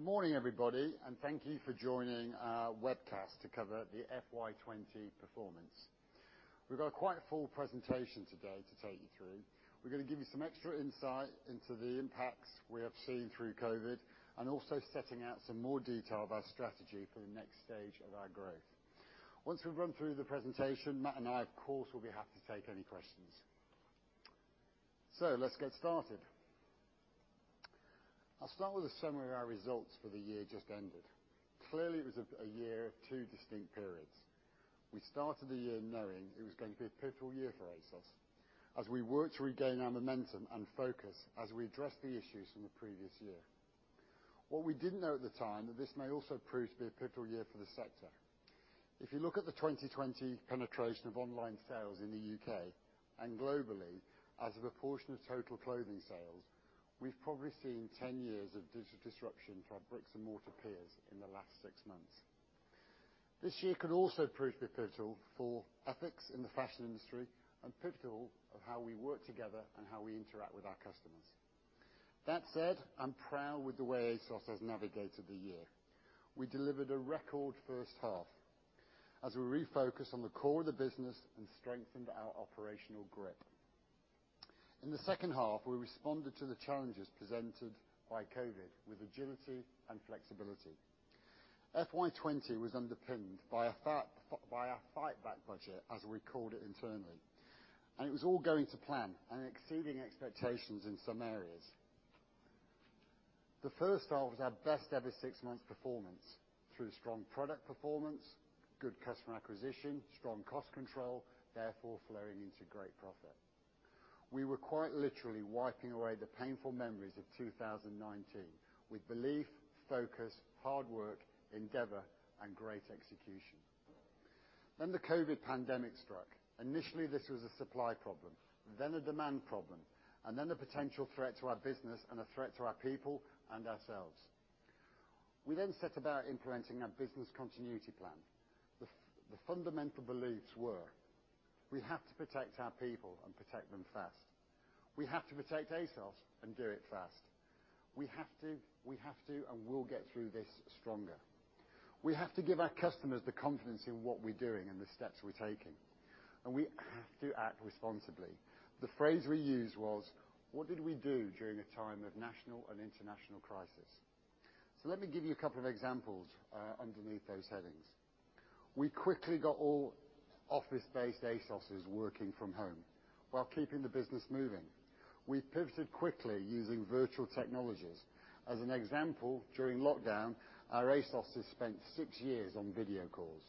Good morning, everybody. Thank you for joining our webcast to cover the FY 2020 performance. We've got quite a full presentation today to take you through. We're going to give you some extra insight into the impacts we have seen through COVID-19, and also setting out some more detail of our strategy for the next stage of our growth. Once we've run through the presentation, Mat and I, of course, will be happy to take any questions. Let's get started. I'll start with a summary of our results for the year just ended. Clearly, it was a year of two distinct periods. We started the year knowing it was going to be a pivotal year for ASOS as we worked to regain our momentum and focus as we addressed the issues from the previous year. What we didn't know at the time, that this may also prove to be a pivotal year for the sector. If you look at the 2020 penetration of online sales in the U.K. and globally as a proportion of total clothing sales, we've probably seen 10 years of digital disruption for our bricks and mortar peers in the last six months. This year could also prove to be pivotal for ethics in the fashion industry, and pivotal of how we work together and how we interact with our customers. That said, I'm proud with the way ASOS has navigated the year. We delivered a record first half as we refocused on the core of the business and strengthened our operational grip. In the second half, we responded to the challenges presented by COVID-19 with agility and flexibility. FY 2020 was underpinned by a fightback budget, as we called it internally. It was all going to plan and exceeding expectations in some areas. The first half was our best ever six-month performance through strong product performance, good customer acquisition, strong cost control, therefore flowing into great profit. We were quite literally wiping away the painful memories of 2019 with belief, focus, hard work, endeavor, and great execution. The COVID-19 pandemic struck. Initially, this was a supply problem, then a demand problem, and then a potential threat to our business and a threat to our people and ourselves. We set about implementing our business continuity plan. The fundamental beliefs were. We have to protect our people and protect them fast. We have to protect ASOS and do it fast. We have to, and will get through this stronger. We have to give our customers the confidence in what we're doing and the steps we're taking, and we have to act responsibly. The phrase we used was: What did we do during a time of national and international crisis? Let me give you a couple of examples underneath those headings. We quickly got all office-based ASOSers working from home while keeping the business moving. We pivoted quickly using virtual technologies. As an example, during lockdown, our ASOSers spent six years on video calls.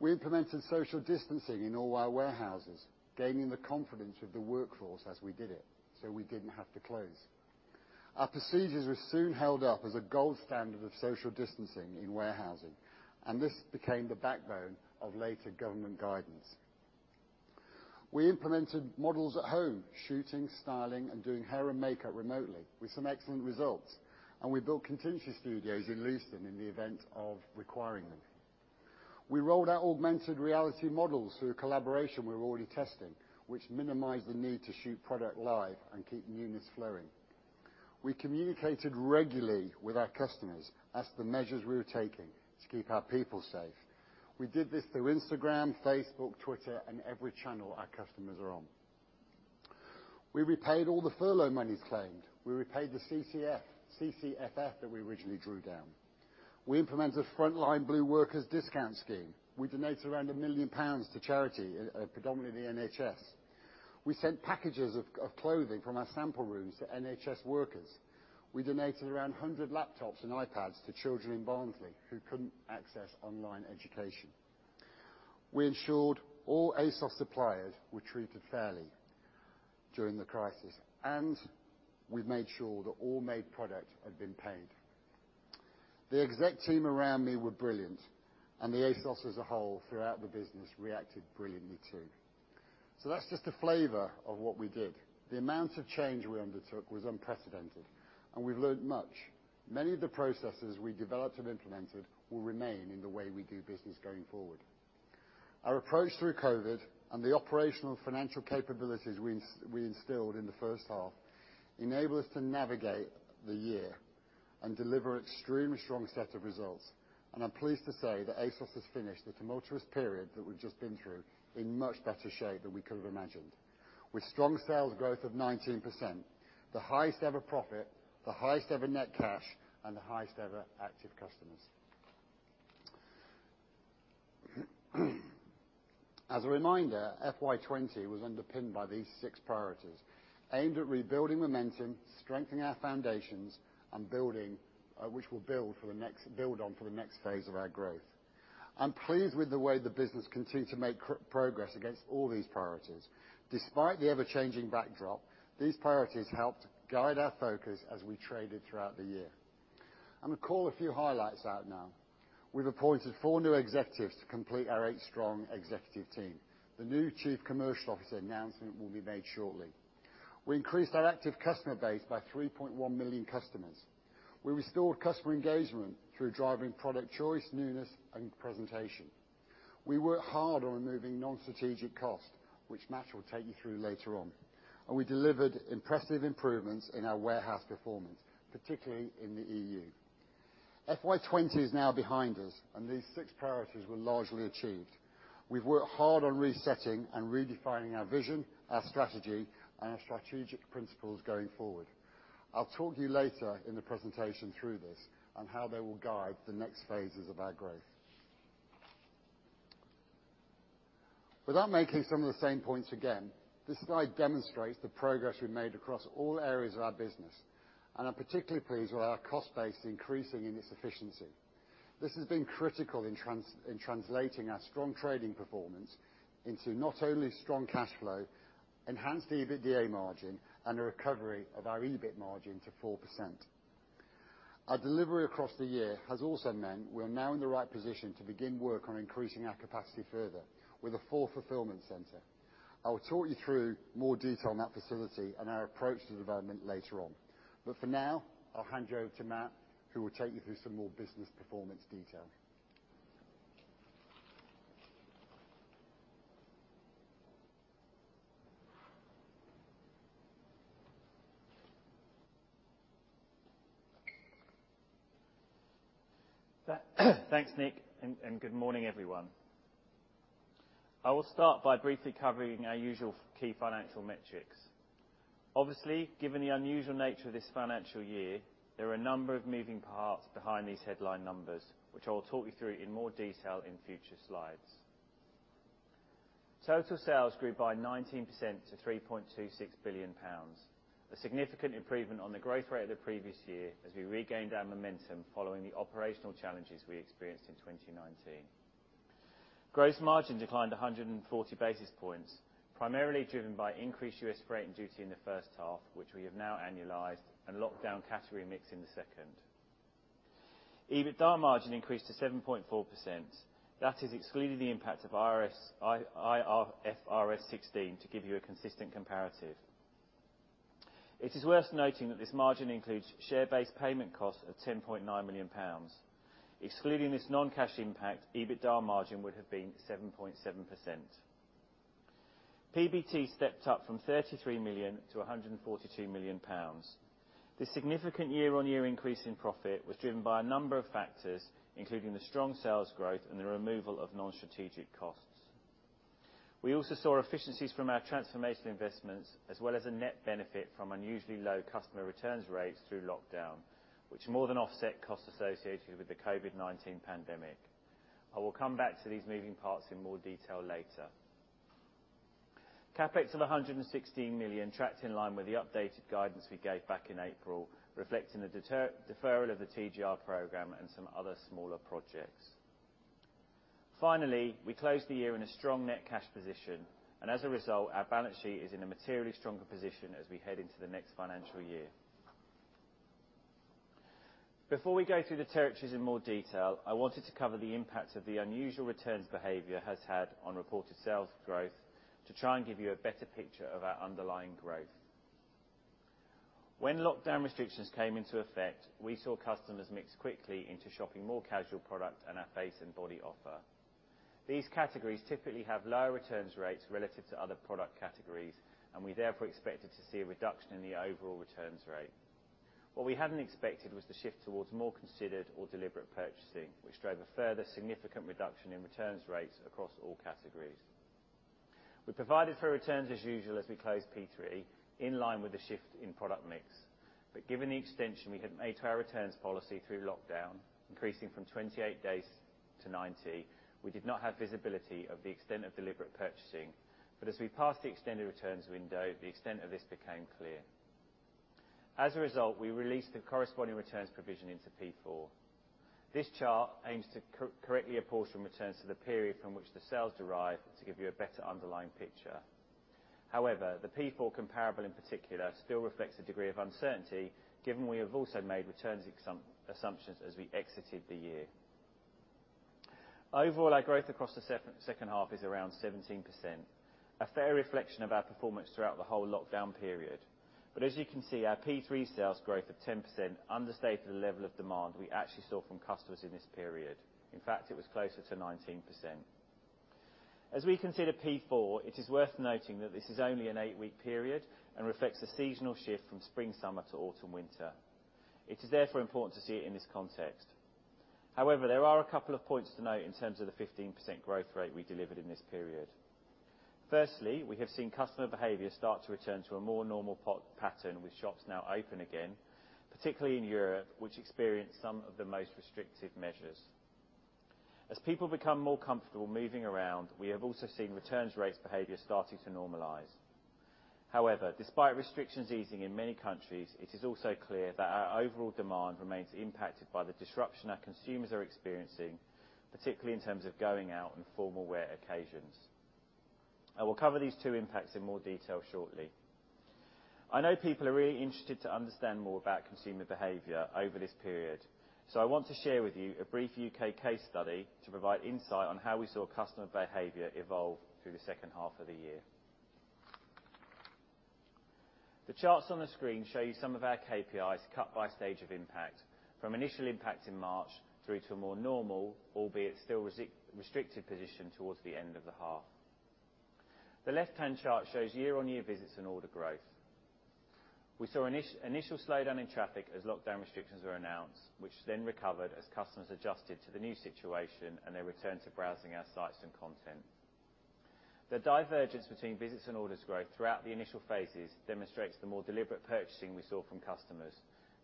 We implemented social distancing in all our warehouses, gaining the confidence of the workforce as we did it, so we didn't have to close. Our procedures were soon held up as a gold standard of social distancing in warehousing, and this became the backbone of later government guidance. We implemented models at home, shooting, styling, and doing hair and makeup remotely, with some excellent results, and we built contingency studios in Luton in the event of requiring them. We rolled out augmented reality models through a collaboration we were already testing, which minimized the need to shoot product live and keep newness flowing. We communicated regularly with our customers as the measures we were taking to keep our people safe. We did this through Instagram, Facebook, Twitter, and every channel our customers are on. We repaid all the furlough moneys claimed. We repaid the CCFF that we originally drew down. We implemented a frontline blue workers discount scheme. We donated around 1 million pounds to charity, predominantly the NHS. We sent packages of clothing from our sample rooms to NHS workers. We donated around 100 laptops and iPads to children in Barnsley who couldn't access online education. We ensured all ASOS suppliers were treated fairly during the crisis, we made sure that all made product had been paid. The exec team around me were brilliant, the ASOS as a whole throughout the business reacted brilliantly, too. That's just a flavor of what we did. The amount of change we undertook was unprecedented, we've learned much. Many of the processes we developed and implemented will remain in the way we do business going forward. Our approach through COVID and the operational financial capabilities we instilled in the first half enable us to navigate the year deliver extremely strong set of results, I'm pleased to say that ASOS has finished the tumultuous period that we've just been through in much better shape than we could have imagined. With strong sales growth of 19%, the highest ever profit, the highest ever net cash, and the highest ever active customers. As a reminder, FY 2020 was underpinned by these six priorities, aimed at rebuilding momentum, strengthening our foundations, which we'll build on for the next phase of our growth. I'm pleased with the way the business continued to make progress against all these priorities. Despite the ever-changing backdrop, these priorities helped guide our focus as we traded throughout the year. I'm going to call a few highlights out now. We've appointed four new executives to complete our eight strong executive team. The new Chief Commercial Officer announcement will be made shortly. We increased our active customer base by 3.1 million customers. We restored customer engagement through driving product choice, newness, and presentation. We worked hard on removing nonstrategic cost, which Mat will take you through later on, and we delivered impressive improvements in our warehouse performance, particularly in the EU. FY 2020 is now behind us. These six priorities were largely achieved. We've worked hard on resetting and redefining our vision, our strategy, and our strategic principles going forward. I'll talk you later in the presentation through this and how they will guide the next phases of our growth. Without making some of the same points again, this slide demonstrates the progress we've made across all areas of our business, and I'm particularly pleased with our cost base increasing in its efficiency. This has been critical in translating our strong trading performance into not only strong cash flow, enhanced EBITDA margin, and a recovery of our EBIT margin to 4%. Our delivery across the year has also meant we are now in the right position to begin work on increasing our capacity further with a fourth fulfillment center. I will talk you through more detail on that facility and our approach to the development later on. For now, I'll hand you over to Mat, who will take you through some more business performance detail. Thanks, Nick, and good morning, everyone. I will start by briefly covering our usual key financial metrics. Obviously, given the unusual nature of this financial year, there are a number of moving parts behind these headline numbers, which I will talk you through in more detail in future slides. Total sales grew by 19% to 3.26 billion pounds, a significant improvement on the growth rate of the previous year as we regained our momentum following the operational challenges we experienced in 2019. Gross margin declined 140 basis points, primarily driven by increased U.S. freight and duty in the first half, which we have now annualized, and lockdown category mix in the second. EBITDA margin increased to 7.4%, that is excluding the impact of IFRS 16 to give you a consistent comparative. It is worth noting that this margin includes share-based payment costs of 10.9 million pounds. Excluding this non-cash impact, EBITDA margin would have been 7.7%. PBT stepped up from 33 million to 142 million pounds. This significant year-on-year increase in profit was driven by a number of factors, including the strong sales growth and the removal of non-strategic costs. We also saw efficiencies from our transformation investments as well as a net benefit from unusually low customer returns rates through lockdown, which more than offset costs associated with the COVID-19 pandemic. I will come back to these moving parts in more detail later. CapEx of 116 million tracked in line with the updated guidance we gave back in April, reflecting the deferral of the TGR program and some other smaller projects. We closed the year in a strong net cash position, and as a result, our balance sheet is in a materially stronger position as we head into the next financial year. Before we go through the territories in more detail, I wanted to cover the impact of the unusual returns behavior has had on reported sales growth to try and give you a better picture of our underlying growth. When lockdown restrictions came into effect, we saw customers mix quickly into shopping more casual product and our face and body offer. These categories typically have lower returns rates relative to other product categories, and we therefore expected to see a reduction in the overall returns rate. What we hadn't expected was the shift towards more considered or deliberate purchasing, which drove a further significant reduction in returns rates across all categories. We provided for returns as usual as we closed P3, in line with the shift in product mix. Given the extension we had made to our returns policy through lockdown, increasing from 28 days to 90, we did not have visibility of the extent of deliberate purchasing. As we passed the extended returns window, the extent of this became clear. As a result, we released the corresponding returns provision into P4. This chart aims to correctly apportion returns to the period from which the sales derive to give you a better underlying picture. However, the P4 comparable, in particular, still reflects a degree of uncertainty given we have also made returns assumptions as we exited the year. Overall, our growth across the second half is around 17%, a fair reflection of our performance throughout the whole lockdown period. As you can see, our P3 sales growth of 10% understated the level of demand we actually saw from customers in this period. In fact, it was closer to 19%. As we consider P4, it is worth noting that this is only an eight -week period and reflects the seasonal shift from spring/summer to autumn/winter. It is therefore important to see it in this context. However, there are a couple of points to note in terms of the 15% growth rate we delivered in this period. Firstly, we have seen customer behavior start to return to a more normal pattern with shops now open again, particularly in Europe, which experienced some of the most restrictive measures. As people become more comfortable moving around, we have also seen returns rates behavior starting to normalize. However, despite restrictions easing in many countries, it is also clear that our overall demand remains impacted by the disruption our consumers are experiencing, particularly in terms of going out and formal wear occasions. I will cover these two impacts in more detail shortly. I know people are really interested to understand more about consumer behavior over this period, so I want to share with you a brief U.K. case study to provide insight on how we saw customer behavior evolve through the second half of the year. The charts on the screen show you some of our KPIs cut by stage of impact, from initial impact in March through to a more normal, albeit still restricted position towards the end of the half. The left-hand chart shows year-on-year visits and order growth. We saw initial slowdown in traffic as lockdown restrictions were announced, which then recovered as customers adjusted to the new situation and they returned to browsing our sites and content. The divergence between visits and orders growth throughout the initial phases demonstrates the more deliberate purchasing we saw from customers,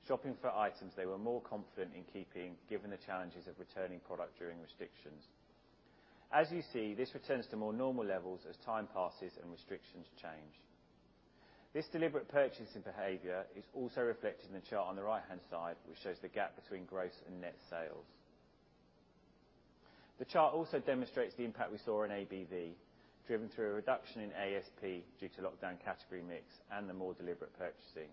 shopping for items they were more confident in keeping given the challenges of returning product during restrictions. As you see, this returns to more normal levels as time passes and restrictions change. This deliberate purchasing behavior is also reflected in the chart on the right-hand side, which shows the gap between gross and net sales. The chart also demonstrates the impact we saw on ABV, driven through a reduction in ASP due to lockdown category mix and the more deliberate purchasing.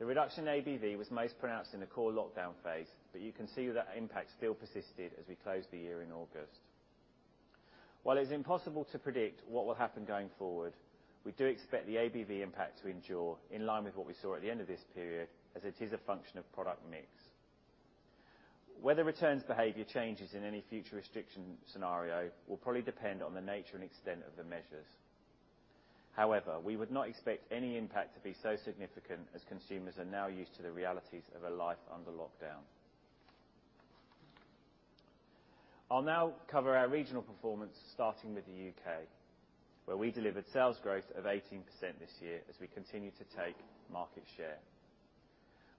The reduction in ABV was most pronounced in the core lockdown phase, but you can see that impact still persisted as we closed the year in August. While it's impossible to predict what will happen going forward, we do expect the ABV impact to endure in line with what we saw at the end of this period, as it is a function of product mix. Whether returns behavior changes in any future restriction scenario will probably depend on the nature and extent of the measures. However, we would not expect any impact to be so significant as consumers are now used to the realities of a life under lockdown. I'll now cover our regional performance, starting with the U.K., where we delivered sales growth of 18% this year as we continue to take market share.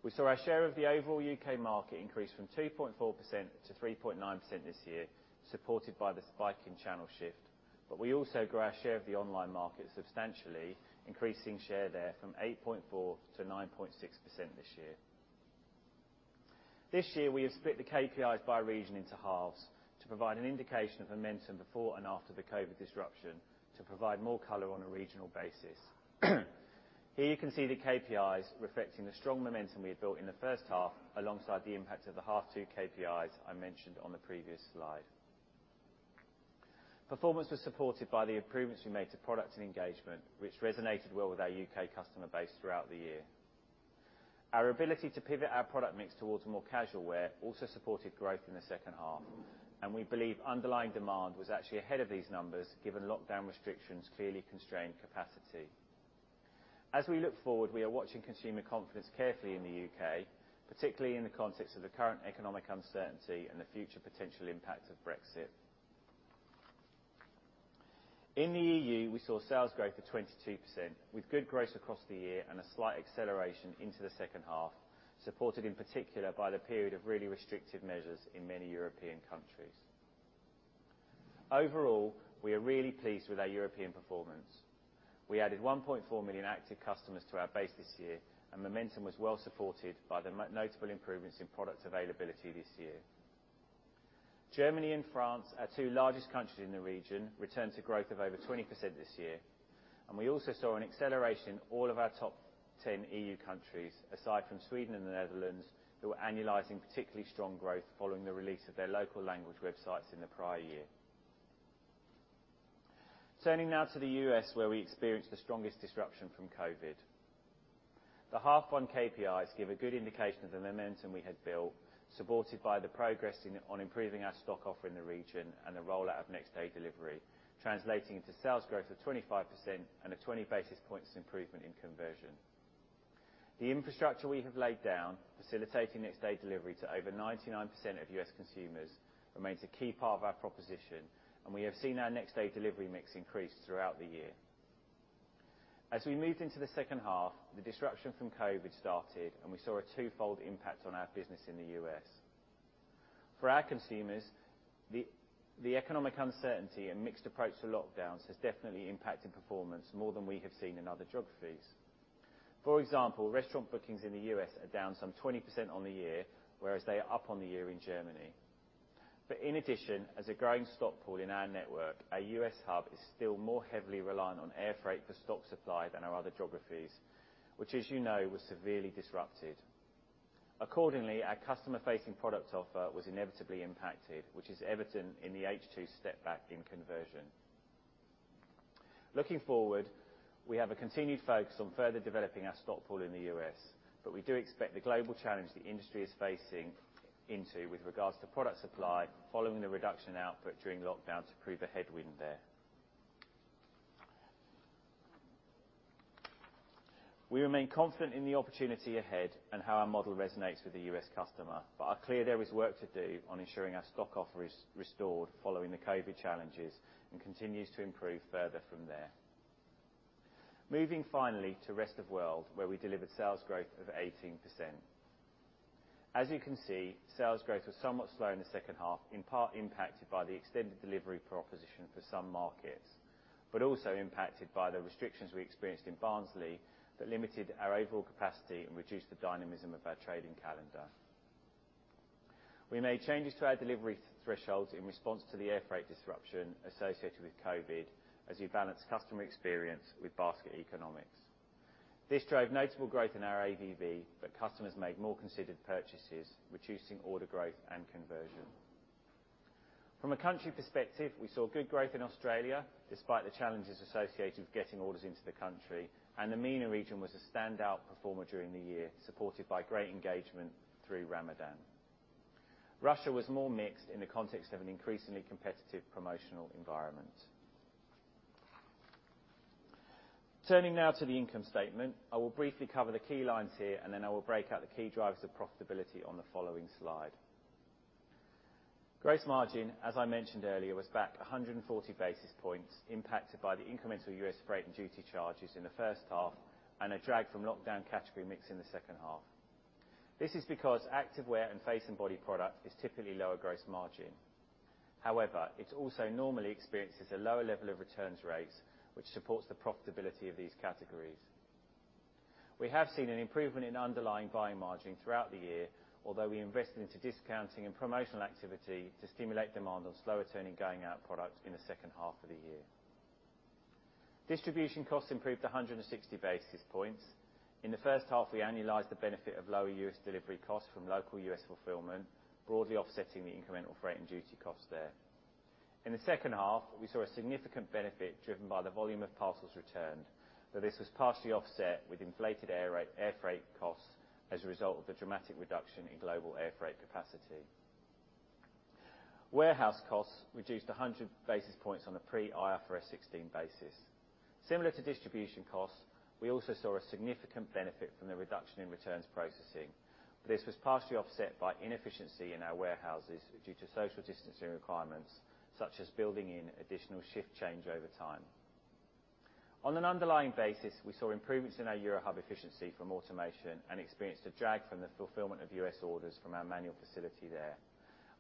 We saw our share of the overall U.K. market increase from 2.4% to 3.9% this year, supported by the spike in channel shift, but we also grew our share of the online market substantially, increasing share there from 8.4% to 9.6% this year. This year, we have split the KPIs by region into halves to provide an indication of momentum before and after the COVID-19 disruption to provide more color on a regional basis. Here you can see the KPIs reflecting the strong momentum we had built in the first half alongside the impact of the half two KPIs I mentioned on the previous slide. Performance was supported by the improvements we made to product and engagement, which resonated well with our U.K. customer base throughout the year. Our ability to pivot our product mix towards a more casual wear also supported growth in the second half. We believe underlying demand was actually ahead of these numbers given lockdown restrictions clearly constrained capacity. As we look forward, we are watching consumer confidence carefully in the U.K., particularly in the context of the current economic uncertainty and the future potential impact of Brexit. In the EU, we saw sales growth of 22% with good growth across the year and a slight acceleration into the second half, supported in particular by the period of really restrictive measures in many European countries. Overall, we are really pleased with our European performance. We added 1.4 million active customers to our base this year. Momentum was well supported by the notable improvements in product availability this year. Germany and France, our two largest countries in the region, returned to growth of over 20% this year. We also saw an acceleration in all of our top 10 EU countries, aside from Sweden and the Netherlands, who were annualizing particularly strong growth following the release of their local language websites in the prior year. Turning now to the U.S., where we experienced the strongest disruption from COVID-19. The half one KPIs give a good indication of the momentum we had built, supported by the progress on improving our stock offer in the region and the rollout of next-day delivery, translating into sales growth of 25% and a 20 basis points improvement in conversion. The infrastructure we have laid down facilitating next-day delivery to over 99% of U.S. consumers remains a key part of our proposition. We have seen our next-day delivery mix increase throughout the year. As we moved into the second half, the disruption from COVID started and we saw a twofold impact on our business in the U.S. For our consumers, the economic uncertainty and mixed approach to lockdowns has definitely impacted performance more than we have seen in other geographies. For example, restaurant bookings in the U.S. are down some 20% on the year, whereas they are up on the year in Germany. In addition, as a growing stock pool in our network, our U.S. hub is still more heavily reliant on air freight for stock supply than our other geographies, which as you know, was severely disrupted. Accordingly, our customer facing product offer was inevitably impacted, which is evident in the H2 step back in conversion. Looking forward, we have a continued focus on further developing our stock pool in the U.S. We do expect the global challenge the industry is facing into with regards to product supply following the reduction in output during lockdown to prove a headwind there. We remain confident in the opportunity ahead and how our model resonates with the U.S. customer. Are clear there is work to do on ensuring our stock offer is restored following the COVID challenges and continues to improve further from there. Moving finally to rest of world, where we delivered sales growth of 18%. As you can see, sales growth was somewhat slow in the second half, in part impacted by the extended delivery proposition for some markets, but also impacted by the restrictions we experienced in Barnsley that limited our overall capacity and reduced the dynamism of our trading calendar. We made changes to our delivery thresholds in response to the air freight disruption associated with COVID-19 as we balanced customer experience with basket economics. This drove notable growth in our ABV. Customers made more considered purchases, reducing order growth and conversion. From a country perspective, we saw good growth in Australia despite the challenges associated with getting orders into the country. The MENA region was a standout performer during the year, supported by great engagement through Ramadan. Russia was more mixed in the context of an increasingly competitive promotional environment. Turning now to the income statement, I will briefly cover the key lines here. Then I will break out the key drivers of profitability on the following slide. Gross margin, as I mentioned earlier, was back 140 basis points impacted by the incremental U.S. freight and duty charges in the first half and a drag from lockdown category mix in the second half. This is because activewear and face and body product is typically lower gross margin. However, it also normally experiences a lower level of returns rates, which supports the profitability of these categories. We have seen an improvement in underlying buying margin throughout the year, although we invested into discounting and promotional activity to stimulate demand on slower turning going out products in the second half of the year. Distribution costs improved 160 basis points. In the first half, we annualized the benefit of lower U.S. delivery costs from local U.S. fulfillment, broadly offsetting the incremental freight and duty costs there. In the second half, we saw a significant benefit driven by the volume of parcels returned. This was partially offset with inflated air freight costs as a result of the dramatic reduction in global air freight capacity. Warehouse costs reduced 100 basis points on a pre-IFRS 16 basis. Similar to distribution costs, we also saw a significant benefit from the reduction in returns processing. This was partially offset by inefficiency in our warehouses due to social distancing requirements, such as building in additional shift changeover time. On an underlying basis, we saw improvements in our Eurohub efficiency from automation and experienced a drag from the fulfillment of U.S. orders from our manual facility there.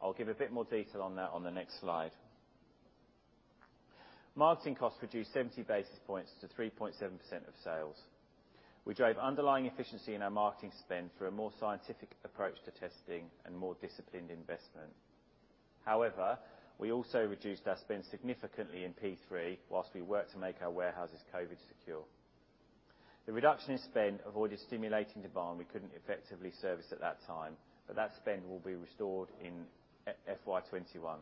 I'll give a bit more detail on that on the next slide. Marketing costs reduced 70 basis points to 3.7% of sales. We drove underlying efficiency in our marketing spend through a more scientific approach to testing and more disciplined investment. We also reduced our spend significantly in P3 whilst we worked to make our warehouses COVID secure. The reduction in spend avoided stimulating demand we couldn't effectively service at that time, but that spend will be restored in FY 2021.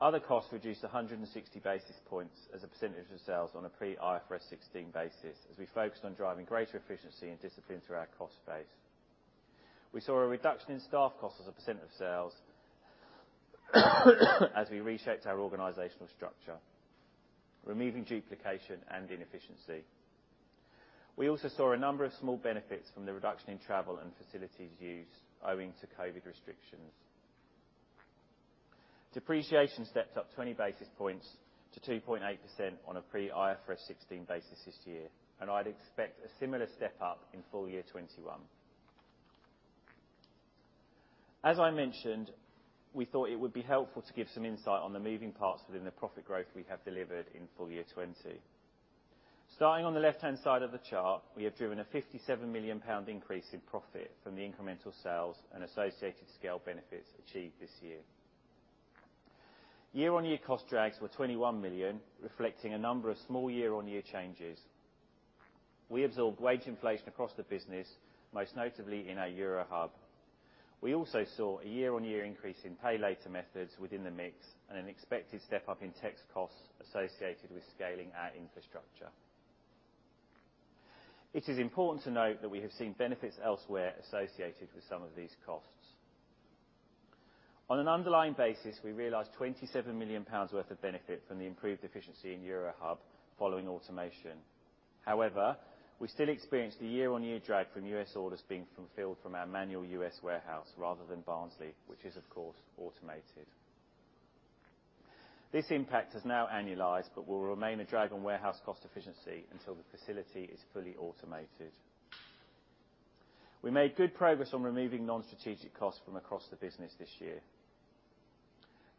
Other costs reduced 160 basis points as a percentage of sales on a pre IFRS 16 basis as we focused on driving greater efficiency and discipline through our cost base. We saw a reduction in staff costs as a percentage of sales as we reshaped our organizational structure, removing duplication and inefficiency. We also saw a number of small benefits from the reduction in travel and facilities use owing to COVID restrictions. Depreciation stepped up 20 basis points to 2.8% on a pre IFRS 16 basis this year. I'd expect a similar step-up in full year 2021. As I mentioned, we thought it would be helpful to give some insight on the moving parts within the profit growth we have delivered in full year 2020. Starting on the left-hand side of the chart, we have driven a 57 million pound increase in profit from the incremental sales and associated scale benefits achieved this year. Year-on-year cost drags were 21 million, reflecting a number of small year-on-year changes. We absorbed wage inflation across the business, most notably in our Eurohub. We also saw a year-on-year increase in pay later methods within the mix and an expected step-up in tech costs associated with scaling our infrastructure. It is important to note that we have seen benefits elsewhere associated with some of these costs. On an underlying basis, we realized 27 million pounds worth of benefit from the improved efficiency in Eurohub following automation. However, we still experienced a year-on-year drag from U.S. orders being fulfilled from our manual U.S. warehouse rather than Barnsley, which is, of course, automated. This impact has now annualized but will remain a drag on warehouse cost efficiency until the facility is fully automated. We made good progress on removing non-strategic costs from across the business this year.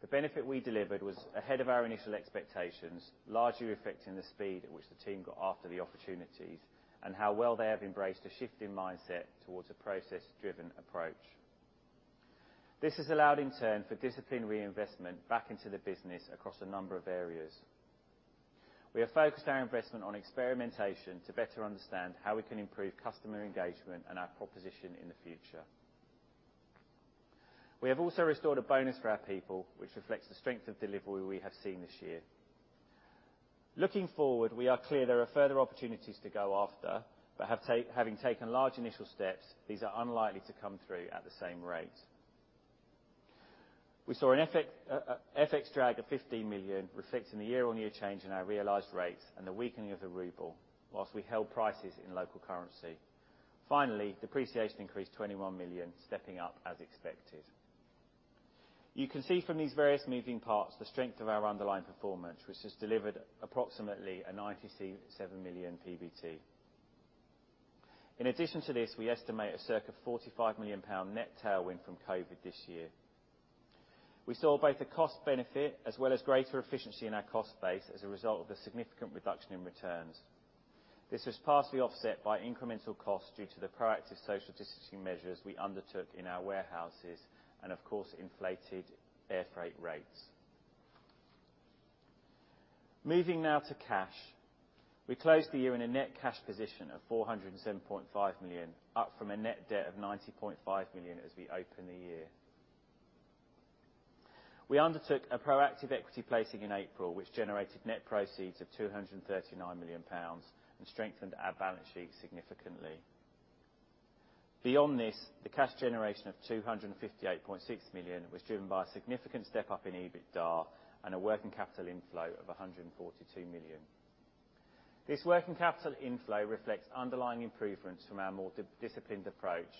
The benefit we delivered was ahead of our initial expectations, largely reflecting the speed at which the team got after the opportunities and how well they have embraced a shift in mindset towards a process-driven approach. This has allowed in turn for disciplined reinvestment back into the business across a number of areas. We have focused our investment on experimentation to better understand how we can improve customer engagement and our proposition in the future. We have also restored a bonus for our people, which reflects the strength of delivery we have seen this year. Looking forward, we are clear there are further opportunities to go after, but having taken large initial steps, these are unlikely to come through at the same rate. We saw an FX drag of 15 million, reflecting the year-on-year change in our realized rates and the weakening of the ruble whilst we held prices in local currency. Finally, depreciation increased 21 million, stepping up as expected. You can see from these various moving parts the strength of our underlying performance, which has delivered approximately a 97 million PBT. In addition to this, we estimate a circa 45 million pound net tailwind from COVID-19 this year. We saw both a cost benefit as well as greater efficiency in our cost base as a result of the significant reduction in returns. This was partially offset by incremental costs due to the proactive social distancing measures we undertook in our warehouses and, of course, inflated air freight rates. Moving now to cash. We closed the year in a net cash position of 407.5 million, up from a net debt of 90.5 million as we opened the year. We undertook a proactive equity placing in April, which generated net proceeds of 239 million pounds and strengthened our balance sheet significantly. Beyond this, the cash generation of 258.6 million was driven by a significant step-up in EBITDA and a working capital inflow of 142 million. This working capital inflow reflects underlying improvements from our more disciplined approach,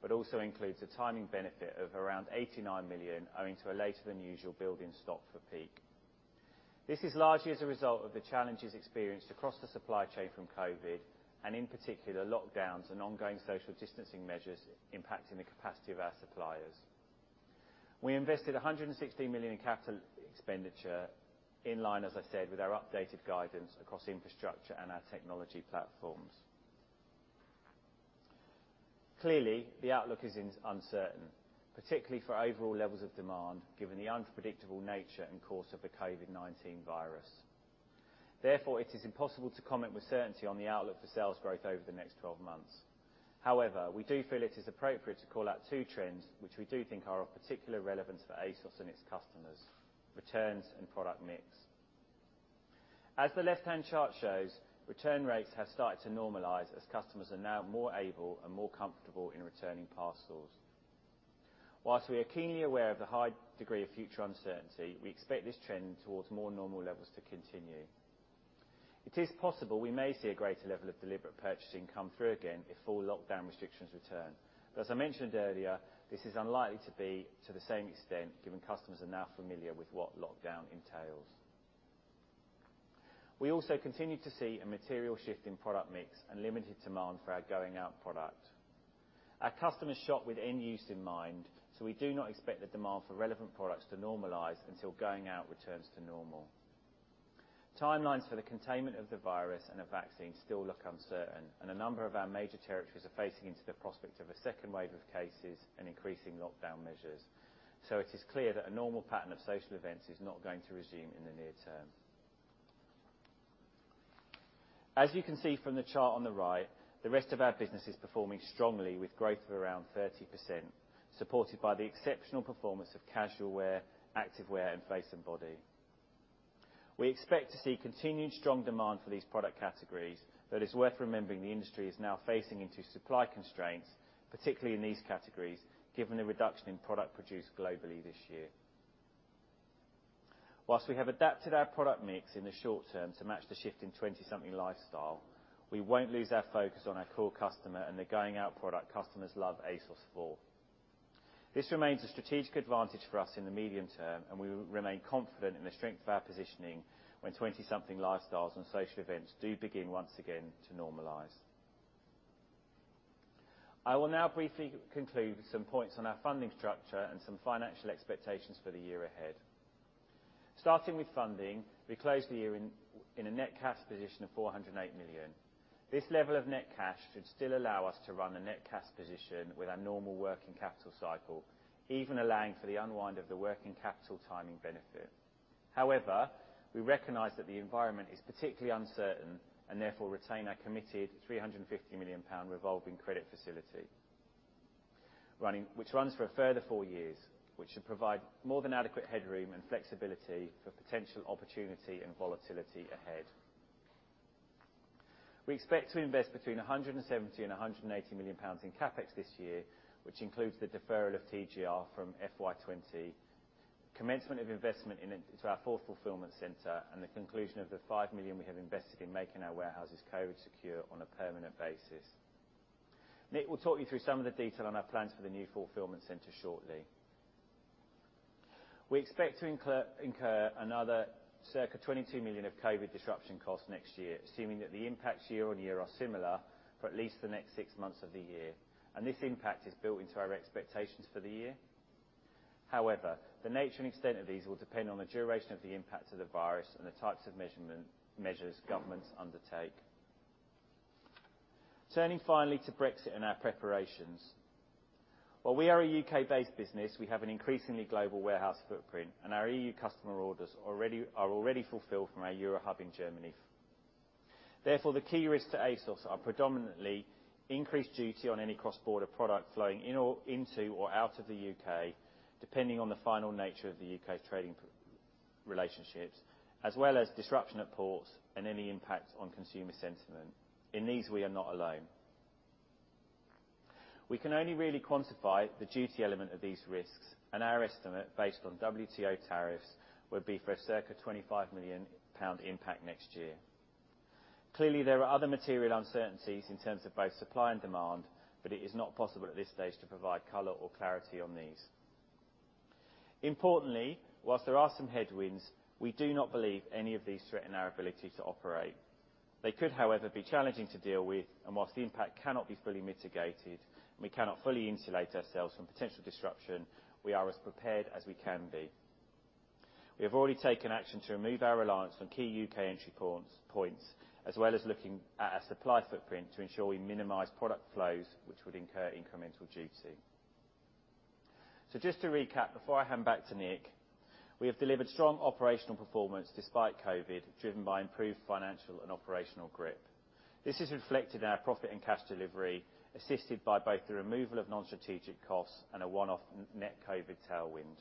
but also includes a timing benefit of around 89 million owing to a later than usual build in stock for peak. This is largely as a result of the challenges experienced across the supply chain from COVID, and in particular, lockdowns and ongoing social distancing measures impacting the capacity of our suppliers. We invested 116 million in capital expenditure, in line, as I said, with our updated guidance across infrastructure and our technology platforms. Clearly, the outlook is uncertain, particularly for overall levels of demand, given the unpredictable nature and course of the COVID-19 virus. Therefore, it is impossible to comment with certainty on the outlook for sales growth over the next 12 months. We do feel it is appropriate to call out two trends which we do think are of particular relevance for ASOS and its customers, returns and product mix. As the left-hand chart shows, return rates have started to normalize as customers are now more able and more comfortable in returning parcels. While we are keenly aware of the high degree of future uncertainty, we expect this trend towards more normal levels to continue. It is possible we may see a greater level of deliberate purchasing come through again if full lockdown restrictions return. As I mentioned earlier, this is unlikely to be to the same extent, given customers are now familiar with what lockdown entails. We also continue to see a material shift in product mix and limited demand for our going out product. Our customers shop with end use in mind, we do not expect the demand for relevant products to normalize until going out returns to normal. Timelines for the containment of the virus and a vaccine still look uncertain, a number of our major territories are facing into the prospect of a second wave of cases and increasing lockdown measures, it is clear that a normal pattern of social events is not going to resume in the near term. As you can see from the chart on the right, the rest of our business is performing strongly with growth of around 30%, supported by the exceptional performance of casual wear, active wear, and face and body. We expect to see continued strong demand for these product categories, but it's worth remembering the industry is now facing into supply constraints, particularly in these categories, given the reduction in product produced globally this year. Whilst we have adapted our product mix in the short term to match the shift in 20-something lifestyle, we won't lose our focus on our core customer and the going out product customers love ASOS for. This remains a strategic advantage for us in the medium term, and we remain confident in the strength of our positioning when 20-something lifestyles and social events do begin once again to normalize. I will now briefly conclude with some points on our funding structure and some financial expectations for the year ahead. Starting with funding, we closed the year in a net cash position of 408 million. This level of net cash should still allow us to run a net cash position with our normal working capital cycle, even allowing for the unwind of the working capital timing benefit. We recognize that the environment is particularly uncertain, and therefore retain our committed 350 million pound revolving credit facility, which runs for a further four years, which should provide more than adequate headroom and flexibility for potential opportunity and volatility ahead. We expect to invest between 170 million-180 million pounds in CapEx this year, which includes the deferral of TGR from FY 2020, commencement of investment into our fourth fulfillment center, and the conclusion of the 5 million we have invested in making our warehouses COVID-19 secure on a permanent basis. Nick will talk you through some of the detail on our plans for the new fulfillment center shortly. We expect to incur another circa 22 million of COVID-19 disruption costs next year, assuming that the impacts year on year are similar for at least the next six months of the year, and this impact is built into our expectations for the year. However, the nature and extent of these will depend on the duration of the impact of the virus and the types of measures governments undertake. Turning finally to Brexit and our preparations. While we are a U.K.-based business, we have an increasingly global warehouse footprint, and our EU customer orders are already fulfilled from our Eurohub in Germany. The key risks to ASOS are predominantly increased duty on any cross-border product flowing into or out of the U.K., depending on the final nature of the U.K.'s trading relationships, as well as disruption at ports and any impact on consumer sentiment. In these, we are not alone. We can only really quantify the duty element of these risks. Our estimate, based on WTO tariffs, would be for a circa 25 million pound impact next year. Clearly, there are other material uncertainties in terms of both supply and demand. It is not possible at this stage to provide color or clarity on these. Importantly, whilst there are some headwinds, we do not believe any of these threaten our ability to operate. They could, however, be challenging to deal with, and whilst the impact cannot be fully mitigated, we cannot fully insulate ourselves from potential disruption, we are as prepared as we can be. We have already taken action to remove our reliance on key U.K. entry points, as well as looking at our supply footprint to ensure we minimize product flows which would incur incremental duty. Just to recap, before I hand back to Nick, we have delivered strong operational performance despite COVID, driven by improved financial and operational grip. This is reflected in our profit and cash delivery, assisted by both the removal of non-strategic costs and a one-off net COVID tailwind.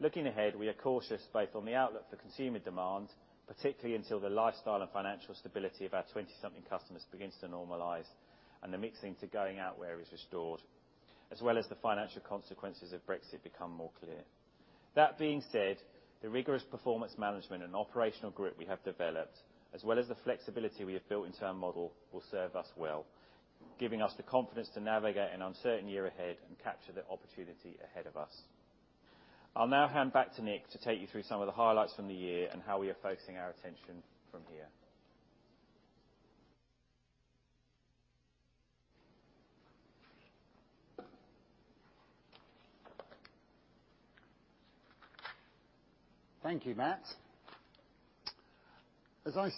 Looking ahead, we are cautious both on the outlook for consumer demand, particularly until the lifestyle and financial stability of our 20-something customers begins to normalize, and the mixing to going out wear is restored, as well as the financial consequences of Brexit become more clear. That being said, the rigorous performance management and operational grip we have developed, as well as the flexibility we have built into our model, will serve us well, giving us the confidence to navigate an uncertain year ahead and capture the opportunity ahead of us. I'll now hand back to Nick to take you through some of the highlights from the year and how we are focusing our attention from here. Thank you, Mat. As I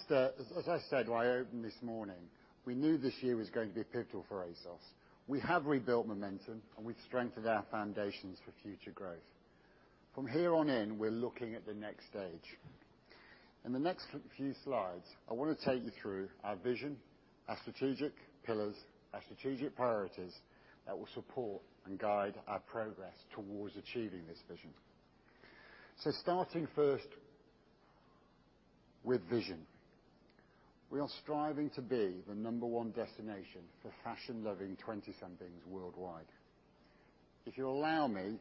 said when I opened this morning, we knew this year was going to be pivotal for ASOS. We have rebuilt momentum, and we've strengthened our foundations for future growth. From here on in, we're looking at the next stage. In the next few slides, I want to take you through our vision, our strategic pillars, our strategic priorities that will support and guide our progress towards achieving this vision. Starting first with vision. We are striving to be the number one destination for fashion-loving 20-somethings worldwide. If you allow me,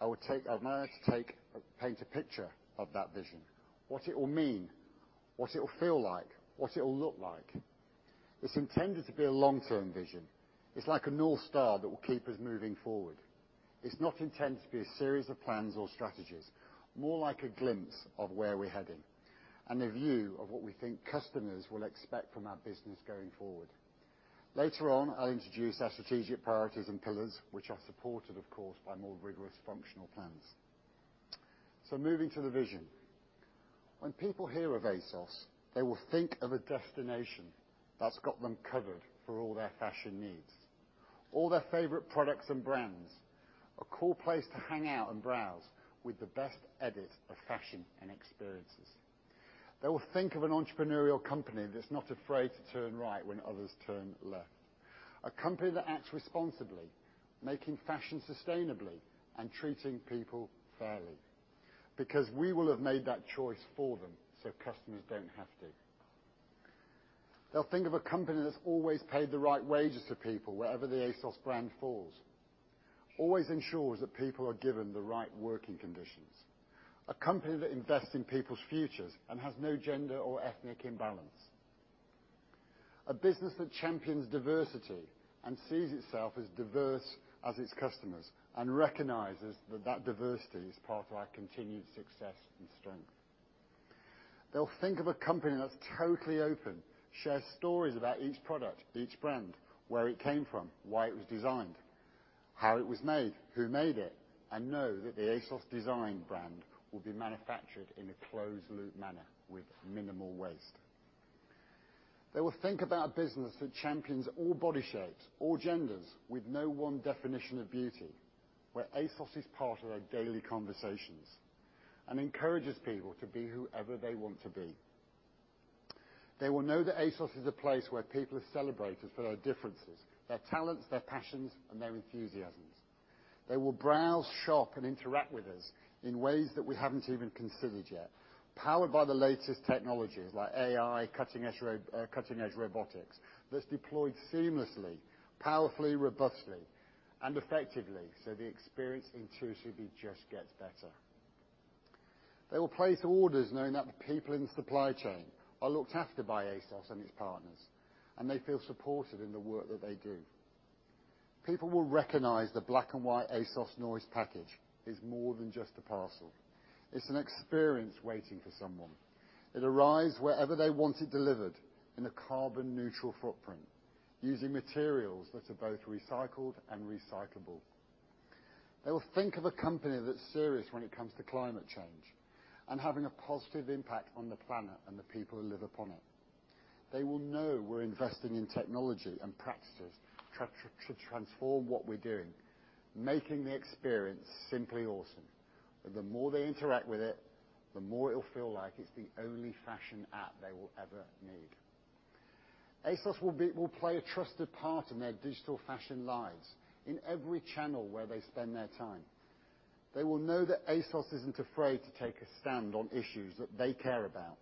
I would manage to paint a picture of that vision, what it will mean, what it will feel like, what it will look like. It's intended to be a long-term vision. It's like a North Star that will keep us moving forward. It's not intended to be a series of plans or strategies, more like a glimpse of where we're heading, and a view of what we think customers will expect from our business going forward. Later on, I'll introduce our strategic priorities and pillars, which are supported, of course, by more rigorous functional plans. Moving to the vision. When people hear of ASOS, they will think of a destination that's got them covered for all their fashion needs. All their favorite products and brands, a cool place to hang out and browse with the best edit of fashion and experiences. They will think of an entrepreneurial company that's not afraid to turn right when others turn left. A company that acts responsibly, making fashion sustainably, and treating people fairly, because we will have made that choice for them so customers don't have to. They'll think of a company that's always paid the right wages to people wherever the ASOS brand falls, always ensures that people are given the right working conditions. A company that invests in people's futures and has no gender or ethnic imbalance. A business that champions diversity and sees itself as diverse as its customers, and recognizes that that diversity is part of our continued success and strength. They'll think of a company that's totally open, shares stories about each product, each brand, where it came from, why it was designed, how it was made, who made it, and know that the ASOS DESIGN brand will be manufactured in a closed loop manner with minimal waste. They will think of our business that champions all body shapes, all genders with no one definition of beauty, where ASOS is part of their daily conversations and encourages people to be whoever they want to be. They will know that ASOS is a place where people are celebrated for their differences, their talents, their passions, and their enthusiasms. They will browse, shop, and interact with us in ways that we haven't even considered yet, powered by the latest technologies like AI, cutting-edge robotics, that's deployed seamlessly, powerfully, robustly, and effectively, so the experience intuitively just gets better. They will place orders knowing that the people in the supply chain are looked after by ASOS and its partners, and they feel supported in the work that they do. People will recognize the black and white ASOS noise package is more than just a parcel. It's an experience waiting for someone. It arrives wherever they want it delivered in a carbon neutral footprint using materials that are both recycled and recyclable. They will think of a company that's serious when it comes to climate change and having a positive impact on the planet and the people who live upon it. They will know we're investing in technology and practices to transform what we're doing, making the experience simply awesome. The more they interact with it, the more it will feel like it's the only fashion app they will ever need. ASOS will play a trusted part in their digital fashion lives in every channel where they spend their time. They will know that ASOS isn't afraid to take a stand on issues that they care about.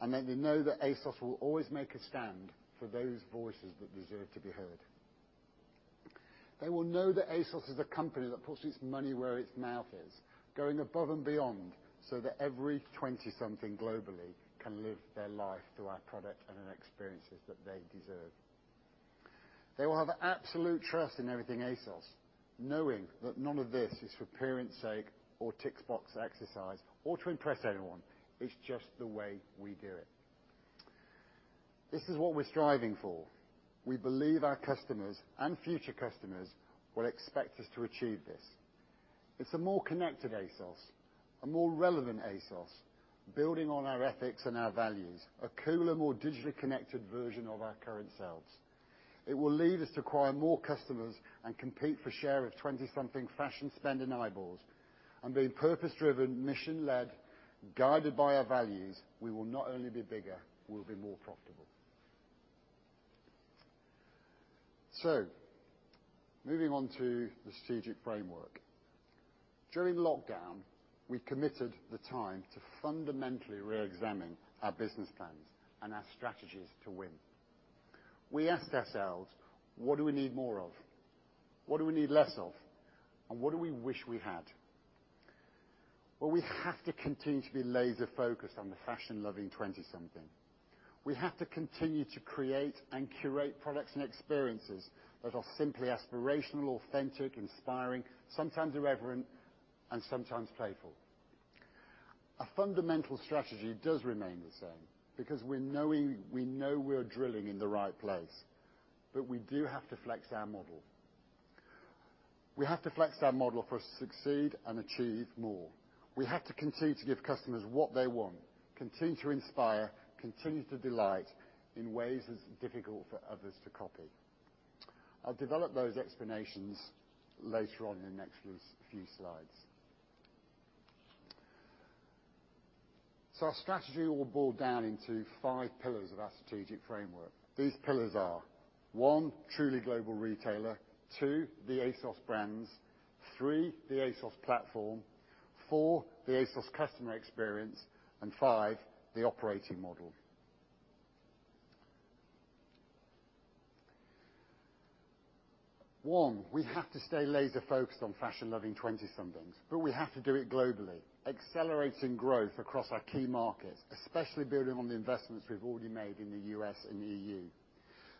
They know that ASOS will always make a stand for those voices that deserve to be heard. They will know that ASOS is a company that puts its money where its mouth is, going above and beyond so that every 20-something globally can live their life through our product and experiences that they deserve. They will have absolute trust in everything ASOS, knowing that none of this is for appearance sake or tick-box exercise or to impress anyone. It's just the way we do it. This is what we're striving for. We believe our customers and future customers will expect us to achieve this. It's a more connected ASOS, a more relevant ASOS, building on our ethics and our values. A cooler, more digitally connected version of our current selves. It will lead us to acquire more customers and compete for share of 20-something fashion spending eyeballs. Being purpose-driven, mission-led, guided by our values, we will not only be bigger, we will be more profitable. Moving on to the strategic framework. During lockdown, we committed the time to fundamentally re-examine our business plans and our strategies to win. We asked ourselves, what do we need more of? What do we need less of? What do we wish we had? We have to continue to be laser-focused on the fashion-loving 20-something. We have to continue to create and curate products and experiences that are simply aspirational, authentic, inspiring, sometimes irreverent, and sometimes playful. Our fundamental strategy does remain the same, because we know we're drilling in the right place, but we do have to flex our model. We have to flex our model for us to succeed and achieve more. We have to continue to give customers what they want, continue to inspire, continue to delight in ways that's difficult for others to copy. I'll develop those explanations later on in the next few slides. Our strategy all boil down into five pillars of our strategic framework. These pillars are, 1, Truly Global Retail. 2, the ASOS Brands. 3, the ASOS Platform. 4, the ASOS Customer Experience, and 5, the Operating Model. 1, we have to stay laser-focused on fashion-loving 20-somethings, but we have to do it globally, accelerating growth across our key markets, especially building on the investments we've already made in the U.S. and EU.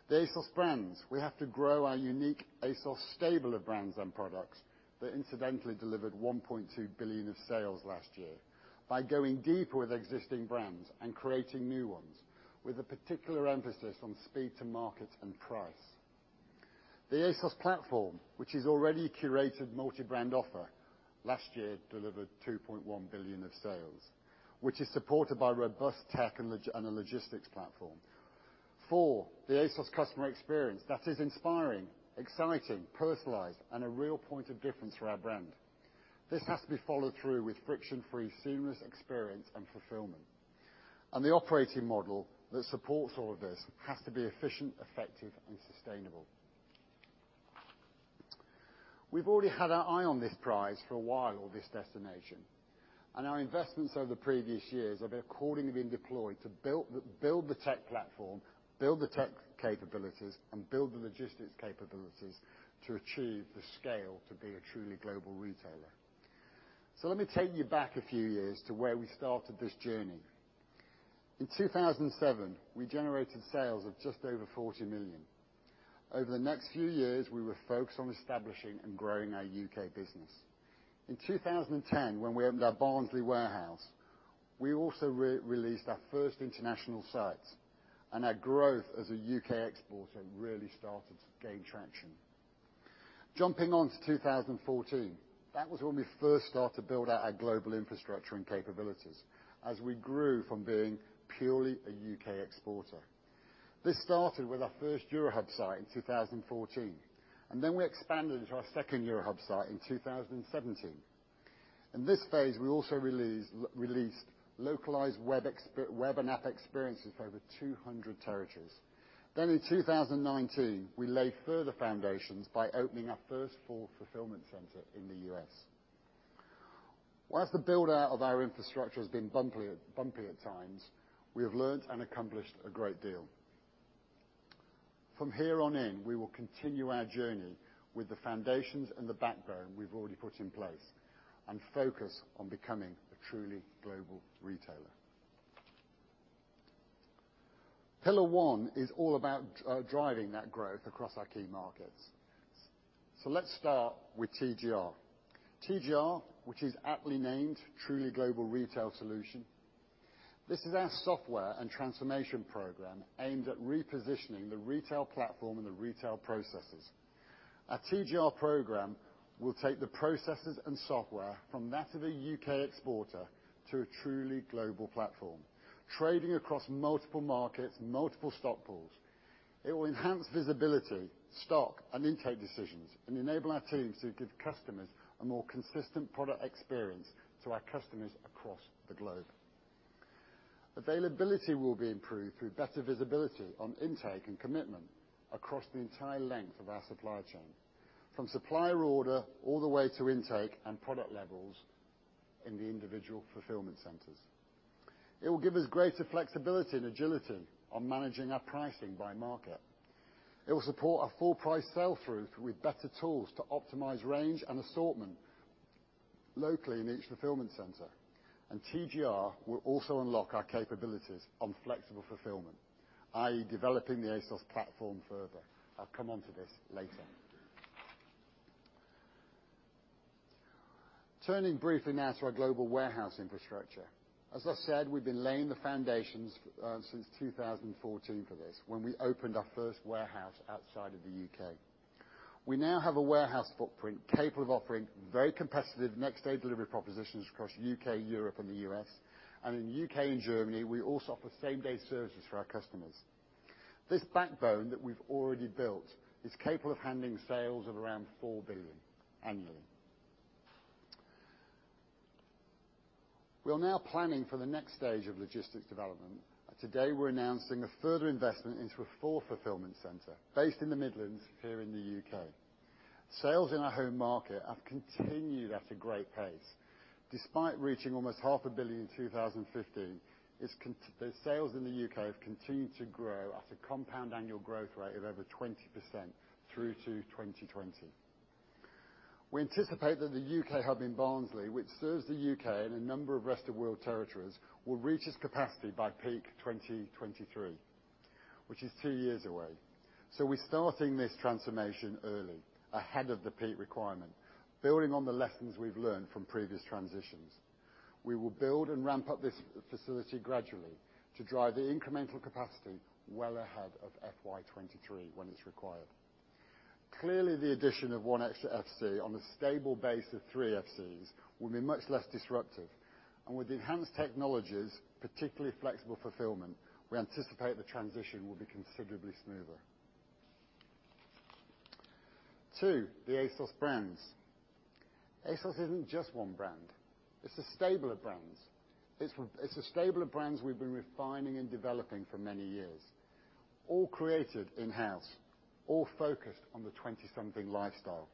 The ASOS Brands, we have to grow our unique ASOS stable of brands and products that incidentally delivered 1.2 billion of sales last year, by going deeper with existing brands and creating new ones, with a particular emphasis on speed to market and price. The ASOS platform, which is already a curated multi-brand offer, last year delivered 2.1 billion of sales, which is supported by robust tech and a logistics platform. Four, the ASOS customer experience that is inspiring, exciting, personalized, and a real point of difference for our brand. This has to be followed through with friction-free, seamless experience and fulfillment. The operating model that supports all of this has to be efficient, effective, and sustainable. We've already had our eye on this prize for a while, this destination, and our investments over the previous years have accordingly been deployed to build the tech platform, build the tech capabilities, and build the logistics capabilities to achieve the scale to be a truly global retailer. Let me take you back a few years to where we started this journey. In 2007, we generated sales of just over 40 million. Over the next few years, we were focused on establishing and growing our U.K. business. In 2010, when we opened our Barnsley warehouse, we also released our first international site. Our growth as a U.K. exporter really started to gain traction. Jumping on to 2014, that was when we first started to build out our global infrastructure and capabilities as we grew from being purely a U.K. exporter. This started with our first Eurohub site in 2014. We expanded into our second Eurohub site in 2017. In this phase, we also released localized web and app experiences for over 200 territories. In 2019, we laid further foundations by opening our first full fulfillment center in the U.S. Whilst the build-out of our infrastructure has been bumpy at times, we have learned and accomplished a great deal. From here on in, we will continue our journey with the foundations and the backbone we've already put in place and focus on becoming a truly global retailer. Pillar 1 is all about driving that growth across our key markets. Let's start with TGR. TGR, which is aptly named Truly Global Retail solution. This is our software and transformation program aimed at repositioning the retail platform and the retail processes. Our TGR program will take the processes and software from that of a U.K. exporter to a truly global platform, trading across multiple markets, multiple stock pools. It will enhance visibility, stock, and intake decisions and enable our teams to give customers a more consistent product experience to our customers across the globe. Availability will be improved through better visibility on intake and commitment across the entire length of our supply chain, from supplier order all the way to intake and product levels in the individual fulfillment centers. It will give us greater flexibility and agility on managing our pricing by market. It will support our full price sell-through with better tools to optimize range and assortment locally in each fulfillment center. TGR will also unlock our capabilities on flexible fulfillment, i.e., developing the ASOS platform further. I'll come onto this later. Turning briefly now to our global warehouse infrastructure. As I said, we've been laying the foundations since 2014 for this, when we opened our first warehouse outside of the U.K. We now have a warehouse footprint capable of offering very competitive next-day delivery propositions across U.K., Europe, and the U.S. In the U.K. and Germany, we also offer same-day services for our customers. This backbone that we've already built is capable of handling sales of around 4 billion annually. We are now planning for the next stage of logistics development. Today, we're announcing a further investment into a fourth fulfillment center based in the Midlands, here in the U.K. Sales in our home market have continued at a great pace. Despite reaching almost half a billion GBP in 2015, the sales in the U.K. have continued to grow at a compound annual growth rate of over 20% through to 2020. We anticipate that the U.K. hub in Barnsley, which serves the U.K. and a number of rest of world territories, will reach its capacity by peak 2023, which is two years away. We're starting this transformation early, ahead of the peak requirement, building on the lessons we've learned from previous transitions. We will build and ramp up this facility gradually to drive the incremental capacity well ahead of FY 2023 when it's required. Clearly, the addition of one extra FC on a stable base of three FCs will be much less disruptive. With enhanced technologies, particularly flexible fulfillment, we anticipate the transition will be considerably smoother. Two, the ASOS brands. ASOS isn't just one brand. It's a stable of brands. It's a stable of brands we've been refining and developing for many years, all created in-house, all focused on the 20-something lifestyle.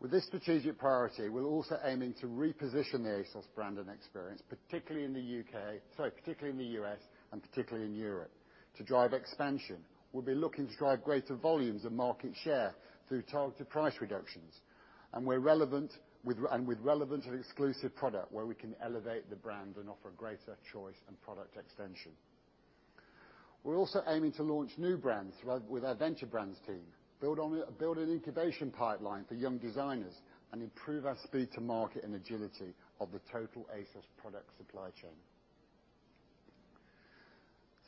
With this strategic priority, we're also aiming to reposition the ASOS brand and experience, particularly in the U.K.-- sorry, particularly in the U.S. and particularly in Europe, to drive expansion. We'll be looking to drive greater volumes of market share through targeted price reductions, and with relevant and exclusive product where we can elevate the brand and offer greater choice and product extension. We're also aiming to launch new brands with our Venture Brands team, build an incubation pipeline for young designers, and improve our speed to market and agility of the total ASOS product supply chain.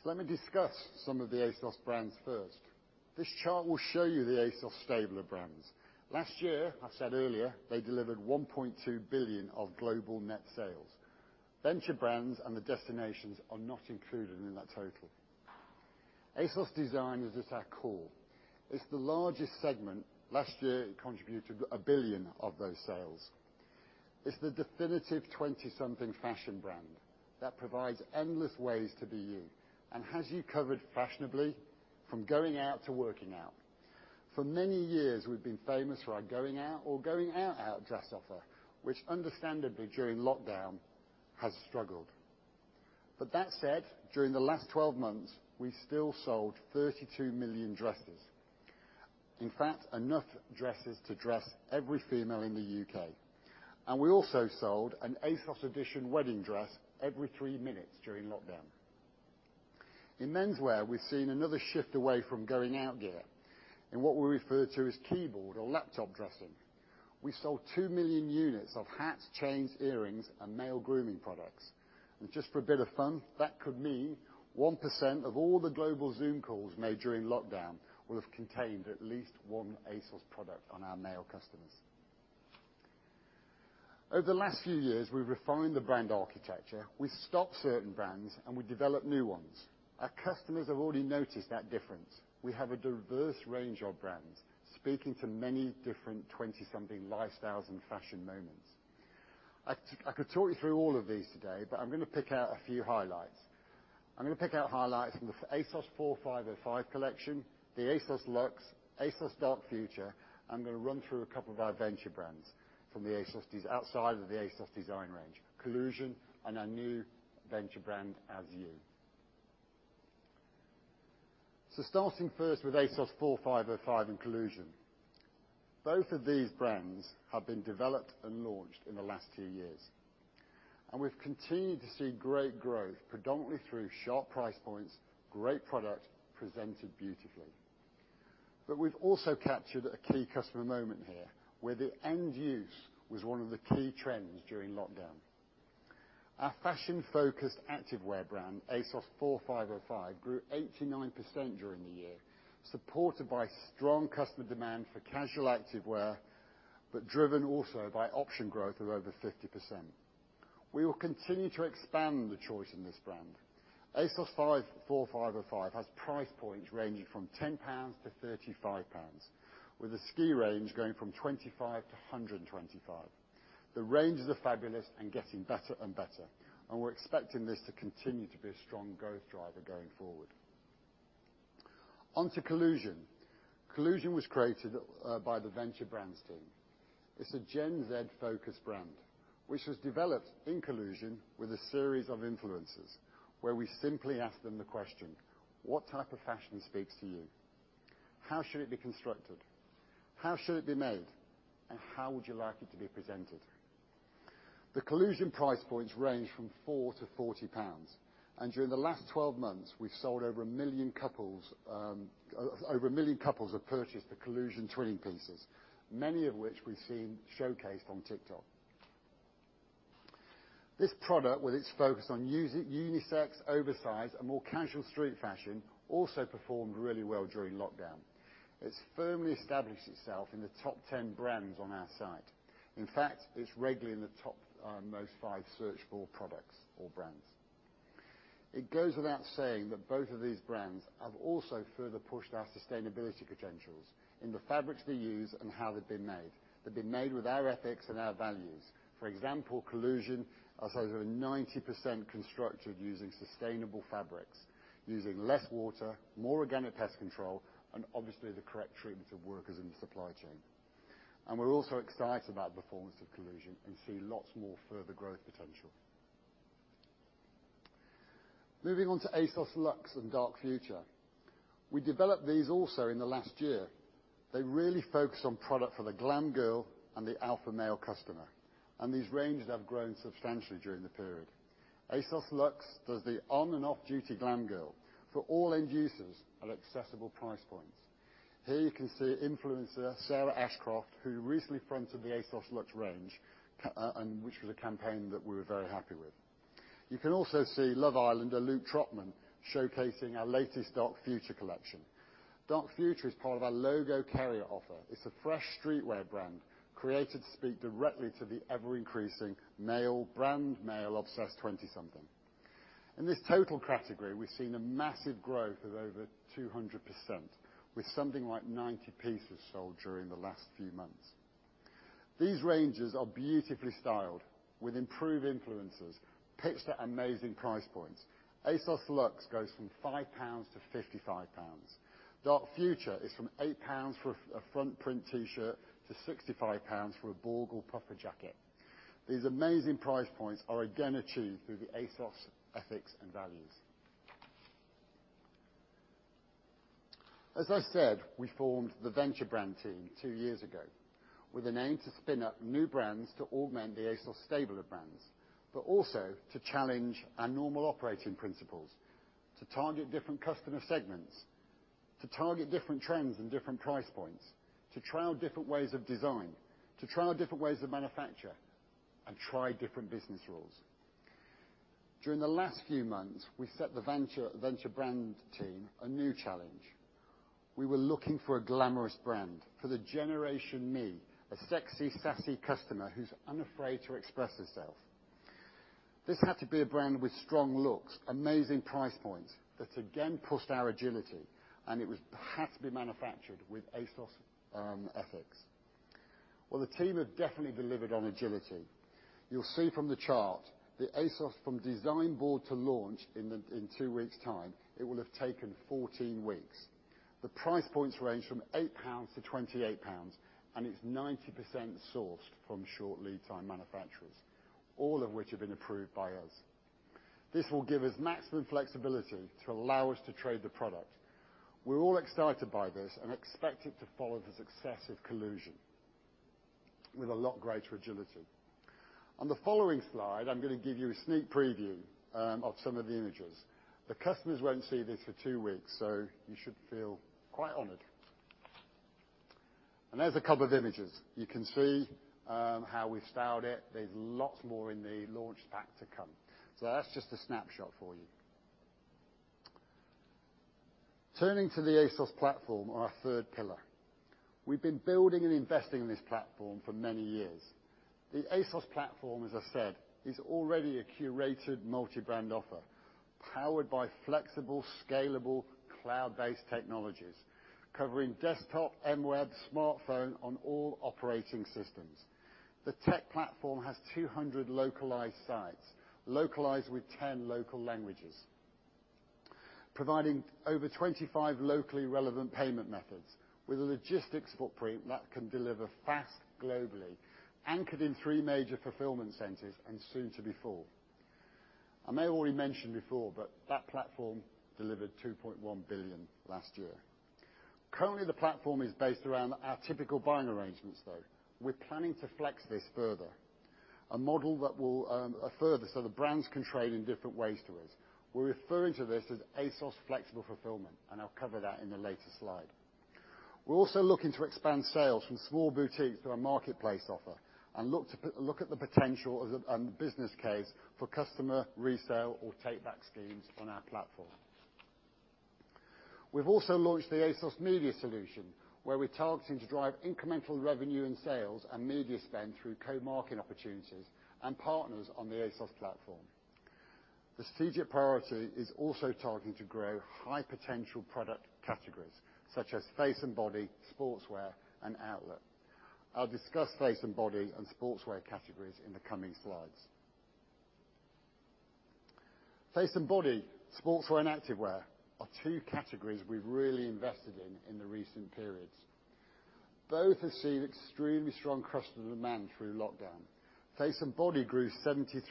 Let me discuss some of the ASOS brands first. This chart will show you the ASOS stable of brands. Last year, I said earlier, they delivered 1.2 billion of global net sales. Venture Brands and The Destinations are not included in that total. ASOS DESIGN is at our core. It's the largest segment. Last year, it contributed 1 billion of those sales. It's the definitive 20-something fashion brand that provides endless ways to be you and has you covered fashionably from going out to working out. For many years, we've been famous for our going out or going out-out dress offer, which understandably, during lockdown, has struggled. That said, during the last 12 months, we still sold 32 million dresses. In fact, enough dresses to dress every female in the U.K. We also sold an ASOS EDITION wedding dress every three minutes during lockdown. In menswear, we've seen another shift away from going out gear and what we refer to as keyboard or laptop dressing. We sold two million units of hats, chains, earrings, and male grooming products. Just for a bit of fun, that could mean 1% of all the global Zoom calls made during lockdown will have contained at least one ASOS product on our male customers. Over the last few years, we've refined the brand architecture. We stopped certain brands, and we developed new ones. Our customers have already noticed that difference. We have a diverse range of brands, speaking to many different 20-something lifestyles and fashion moments. I could talk you through all of these today, but I'm going to pick out a few highlights. I'm going to pick out highlights from the ASOS 4505 collection, the ASOS LUXE, ASOS Dark Future. I'm going to run through a couple of our venture brands outside of the ASOS DESIGN range, COLLUSION and our new venture brand, AsYou. Starting first with ASOS 4505 and COLLUSION. Both of these brands have been developed and launched in the last two years, and we've continued to see great growth, predominantly through sharp price points, great product presented beautifully. We've also captured a key customer moment here, where the end use was one of the key trends during lockdown. Our fashion-focused activewear brand, ASOS 4505, grew 89% during the year, supported by strong customer demand for casual activewear, but driven also by option growth of over 50%. We will continue to expand the choice in this brand. ASOS 4505 has price points ranging from 10 pounds to 35 pounds, with a ski range going from 25 to 125. The ranges are fabulous and getting better and better, and we're expecting this to continue to be a strong growth driver going forward. On to COLLUSION. COLLUSION was created by the Venture Brands team. It's a Gen Z focused brand, which was developed in COLLUSION with a series of influencers, where we simply asked them the question: What type of fashion speaks to you? How should it be constructed? How should it be made? How would you like it to be presented? The COLLUSION price points range from 4 to 40 pounds. Over a million couples have purchased the COLLUSION twinning pieces, many of which we've seen showcased on TikTok. This product, with its focus on unisex, oversized, and more casual street fashion, also performed really well during lockdown. It's firmly established itself in the top 10 brands on our site. In fact, it's regularly in the top most five searched for products or brands. It goes without saying that both of these brands have also further pushed our sustainability credentials in the fabrics they use and how they've been made. They've been made with our ethics and our values. For example, COLLUSION are over 90% constructed using sustainable fabrics, using less water, more organic pest control, and obviously, the correct treatment of workers in the supply chain. We're also excited about the performance of COLLUSION and see lots more further growth potential. Moving on to ASOS LUXE and Dark Future. We developed these also in the last year. They really focus on product for the glam girl and the alpha male customer, and these ranges have grown substantially during the period. ASOS LUXE does the on and off-duty glam girl for all end users at accessible price points. Here you can see influencer Sarah Ashcroft, who recently fronted the ASOS LUXE range, and which was a campaign that we were very happy with. You can also see Love Islander Luke Trotman showcasing our latest Dark Future collection. Dark Future is part of our logo carrier offer. It's a fresh streetwear brand, created to speak directly to the ever increasing male obsessed 20-something. In this total category, we've seen a massive growth of over 200%, with something like 90 pieces sold during the last few months. These ranges are beautifully styled with improved influences, pitched at amazing price points. ASOS LUXE goes from 5-55 pounds. Dark Future is from 8 pounds for a front print T-shirt to 65 pounds for a borg or puffer jacket. These amazing price points are again achieved through the ASOS ethics and values. As I said, we formed the Venture Brands team two years ago with an aim to spin up new brands to augment the ASOS stable of brands, but also to challenge our normal operating principles, to target different customer segments, to target different trends and different price points, to trial different ways of design, to trial different ways of manufacture, and try different business rules. During the last few months, we set the Venture Brands team a new challenge. We were looking for a glamorous brand for the generation me, a sexy, sassy customer who's unafraid to express herself. This had to be a brand with strong looks, amazing price points, that again, pushed our agility, and it had to be manufactured with ASOS ethics. Well, the team have definitely delivered on agility. You'll see from the chart, the ASOS from design board to launch in two weeks time, it will have taken 14 weeks. The price points range from 8 pounds to 28 pounds, and it's 90% sourced from short lead time manufacturers, all of which have been approved by us. This will give us maximum flexibility to allow us to trade the product. We're all excited by this and expect it to follow the success of COLLUSION with a lot greater agility. On the following slide, I'm going to give you a sneak preview of some of the images. The customers won't see this for two weeks, so you should feel quite honored. There's a couple of images. You can see how we've styled it. There's lots more in the launch pack to come. That's just a snapshot for you. Turning to the ASOS platform, our third pillar. We've been building and investing in this platform for many years. The ASOS platform, as I said, is already a curated multi-brand offer, powered by flexible, scalable, cloud-based technologies, covering desktop, mWeb, smartphone on all operating systems. The tech platform has 200 localized sites, localized with 10 local languages, providing over 25 locally relevant payment methods with a logistics footprint that can deliver fast globally, anchored in three major fulfillment centers and soon to be four. I may have already mentioned before, that platform delivered 2.1 billion last year. Currently, the platform is based around our typical buying arrangements, though. We're planning to flex this further. Further, the brands can trade in different ways to us. We're referring to this as ASOS Flexible Fulfilment. I'll cover that in a later slide. We're also looking to expand sales from small boutiques through our marketplace offer and look at the potential and business case for customer resale or take back schemes on our platform. We've also launched the ASOS Media Solutions, where we're targeting to drive incremental revenue and sales and media spend through co-marketing opportunities and partners on the ASOS platform. The strategic priority is also targeting to grow high potential product categories such as face and body, sportswear, and outlet. I'll discuss face and body and sportswear categories in the coming slides. Face and body, sportswear, and activewear are two categories we've really invested in in the recent periods. Both have seen extremely strong customer demand through lockdown. Face and body grew 73%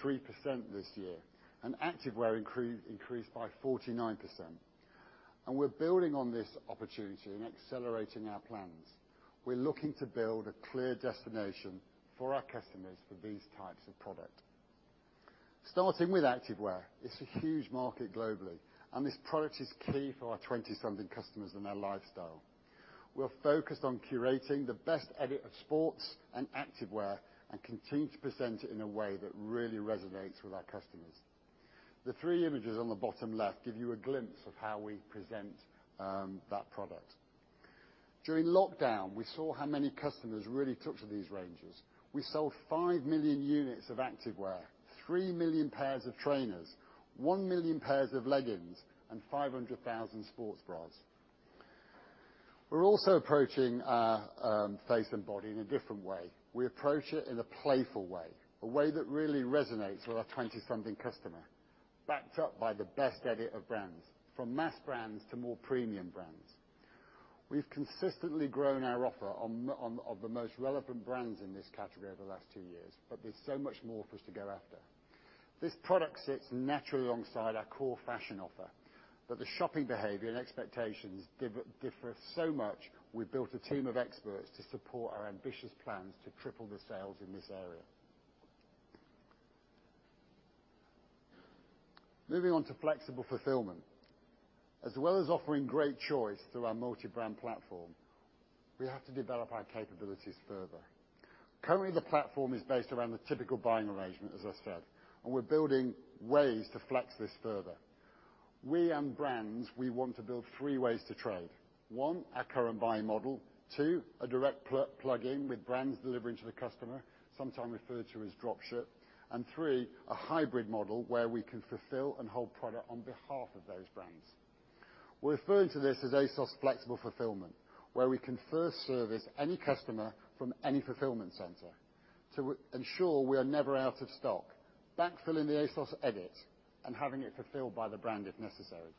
this year, and activewear increased by 49%. We're building on this opportunity and accelerating our plans. We're looking to build a clear destination for our customers for these types of product. Starting with activewear, it's a huge market globally, and this product is key for our 20-something customers and their lifestyle. We're focused on curating the best edit of sports and activewear, and continue to present it in a way that really resonates with our customers. The three images on the bottom left give you a glimpse of how we present that product. During lockdown, we saw how many customers really took to these ranges. We sold five million units of activewear, three million pairs of trainers, one million pairs of leggings, and 500,000 sports bras. We're also approaching face and body in a different way. We approach it in a playful way, a way that really resonates with our 20-something customer, backed up by the best edit of brands, from mass brands to more premium brands. We've consistently grown our offer of the most relevant brands in this category over the last two years, but there's so much more for us to go after. This product sits naturally alongside our core fashion offer, but the shopping behavior and expectations differ so much, we built a team of experts to support our ambitious plans to triple the sales in this area. Moving on to Flexible Fulfillment. As well as offering great choice through our multi-brand platform, we have to develop our capabilities further. Currently, the platform is based around the typical buying arrangement, as I said, and we're building ways to flex this further. We and brands, we want to build three ways to trade. One, our current buying model. Two, a direct plug-in with brands delivering to the customer, sometimes referred to as drop ship. Three, a hybrid model where we can fulfill and hold product on behalf of those brands. We're referring to this as ASOS flexible fulfillment, where we can first service any customer from any fulfillment center to ensure we are never out of stock, backfilling the ASOS edit and having it fulfilled by the brand if necessary.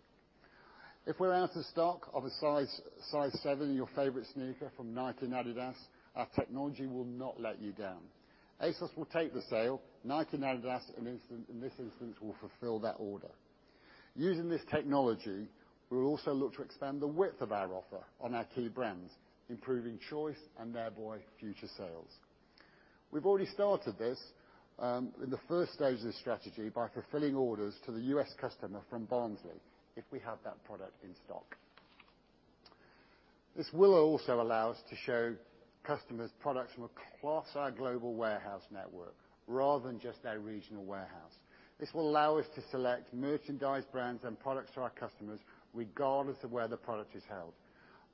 If we're out of stock of a size 7 in your favorite sneaker from Nike and Adidas, our technology will not let you down. ASOS will take the sale. Nike and Adidas, in this instance, will fulfill that order. Using this technology, we'll also look to expand the width of our offer on our key brands, improving choice and thereby future sales. We've already started this in the first stage of the strategy by fulfilling orders to the U.S. customer from Barnsley if we have that product in stock. This will also allow us to show customers products from across our global warehouse network, rather than just our regional warehouse. This will allow us to select merchandise brands and products to our customers regardless of where the product is held.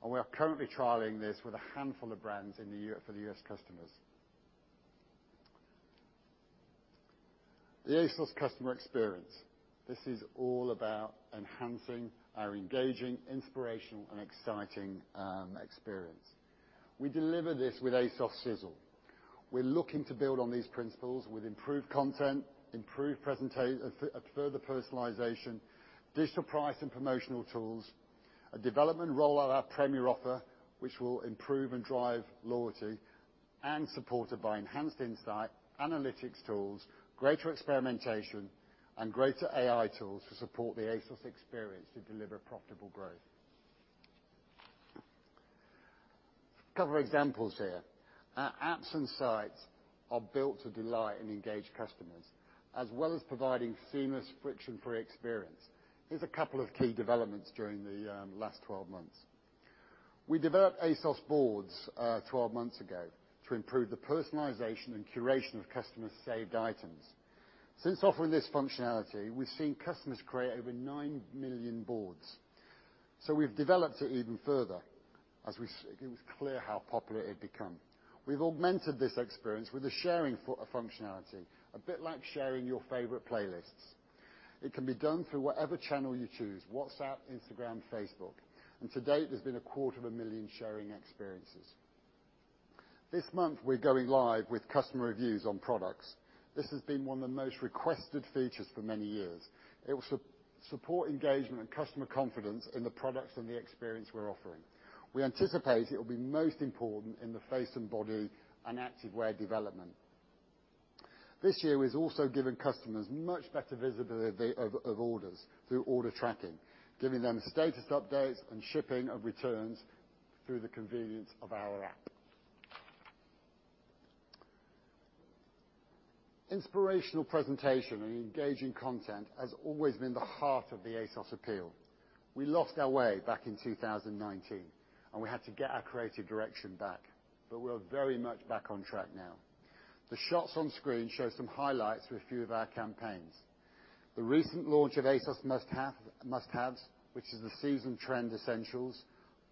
We are currently trialing this with a handful of brands for the U.S. customers. The ASOS customer experience. This is all about enhancing our engaging, inspirational, and exciting experience. We deliver this with ASOS sizzle. We're looking to build on these principles with improved content, further personalization, digital price and promotional tools, a development rollout of our Premier offer, which will improve and drive loyalty, and supported by enhanced insight, analytics tools, greater experimentation, and greater AI tools to support the ASOS experience to deliver profitable growth. Cover examples here. Our apps and sites are built to delight and engage customers, as well as providing seamless, friction-free experience. Here's a couple of key developments during the last 12 months. We developed ASOS Boards 12 months ago to improve the personalization and curation of customers' saved items. Since offering this functionality, we've seen customers create over 9 million boards. We've developed it even further, as it was clear how popular it had become. We've augmented this experience with a sharing functionality, a bit like sharing your favorite playlists. It can be done through whatever channel you choose, WhatsApp, Instagram, Facebook, and to date, there's been a quarter of a million sharing experiences. This month, we're going live with customer reviews on products. This has been one of the most requested features for many years. It will support engagement and customer confidence in the products and the experience we're offering. We anticipate it'll be most important in the face and body and activewear development. This year, we've also given customers much better visibility of orders through order tracking, giving them status updates and shipping of returns through the convenience of our app. Inspirational presentation and engaging content has always been the heart of the ASOS appeal. We lost our way back in 2019. We had to get our creative direction back. We're very much back on track now. The shots on screen show some highlights with a few of our campaigns. The recent launch of ASOS Must-Haves, which is the season trend essentials,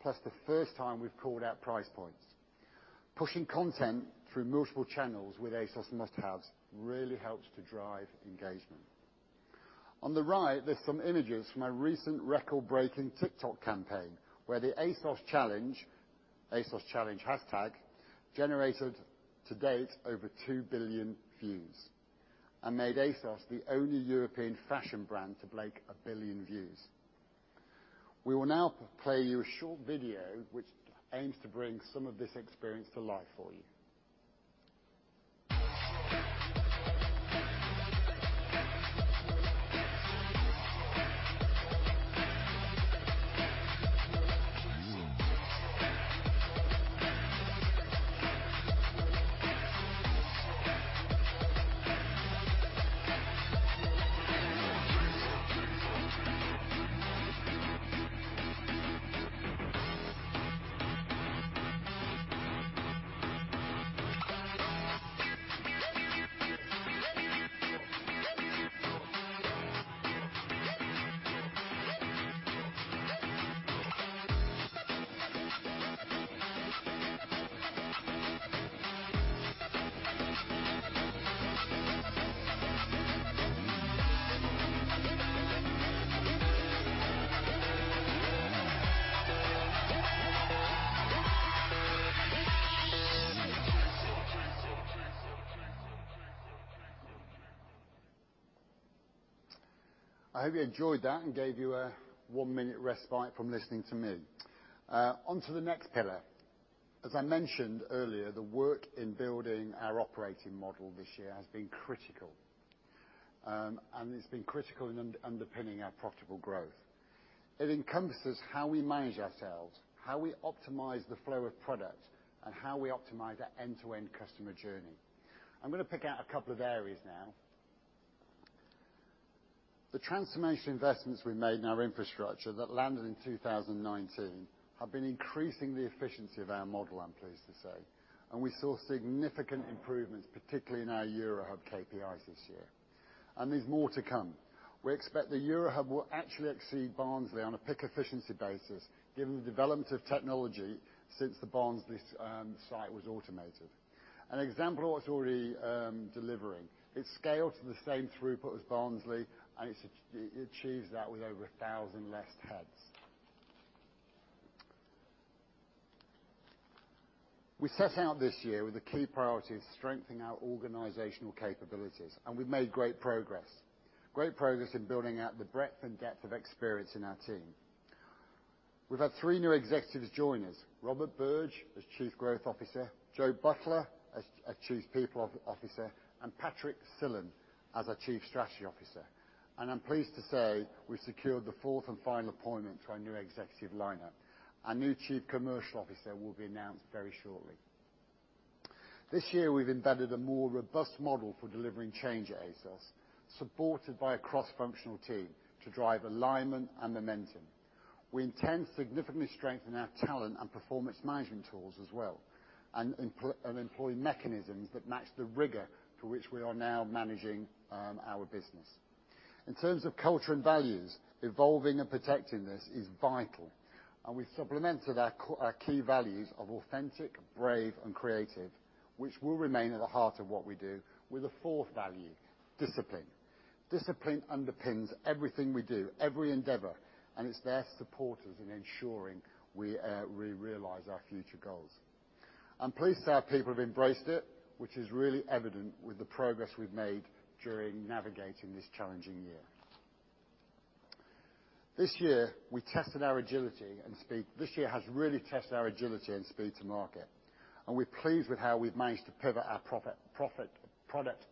plus the first time we've called out price points. Pushing content through multiple channels with ASOS Must-Haves really helps to drive engagement. On the right, there is some images from a recent record-breaking TikTok campaign where the ASOS challenge hashtag generated to date over 2 billion views and made ASOS the only European fashion brand to break 1 billion views. We will now play you a short video which aims to bring some of this experience to life for you. I hope you enjoyed that, and gave you a one-minute respite from listening to me. Onto the next pillar. As I mentioned earlier, the work in building our operating model this year has been critical. It has been critical in underpinning our profitable growth. It encompasses how we manage ourselves, how we optimize the flow of product, and how we optimize our end-to-end customer journey. I am going to pick out a couple of areas now. The transformation investments we made in our infrastructure that landed in 2019 have been increasing the efficiency of our model, I'm pleased to say. We saw significant improvements, particularly in our Eurohub KPIs this year. There's more to come. We expect the Eurohub will actually exceed Barnsley on a pick efficiency basis, given the development of technology since the Barnsley site was automated. An example of what it's already delivering, it's scaled to the same throughput as Barnsley. It achieves that with over 1,000 less heads. We set out this year with a key priority of strengthening our organizational capabilities. We've made great progress. Great progress in building out the breadth and depth of experience in our team. We've had three new executives join us, Robert Birge as Chief Growth Officer, Jo Butler as Chief People Officer. Patrik Silén as our Chief Strategy Officer. I'm pleased to say we've secured the fourth and final appointment to our new executive lineup. Our new Chief Commercial Officer will be announced very shortly. This year, we've embedded a more robust model for delivering change at ASOS, supported by a cross-functional team to drive alignment and momentum. We intend to significantly strengthen our talent and performance management tools as well, and employ mechanisms that match the rigor to which we are now managing our business. In terms of culture and values, evolving and protecting this is vital. We've supplemented our key values of authentic, brave, and creative, which will remain at the heart of what we do, with a fourth value, discipline. Discipline underpins everything we do, every endeavor, and it's there to support us in ensuring we realize our future goals. I'm pleased to say our people have embraced it, which is really evident with the progress we've made during navigating this challenging year. This year has really tested our agility and speed to market, and we're pleased with how we've managed to pivot our product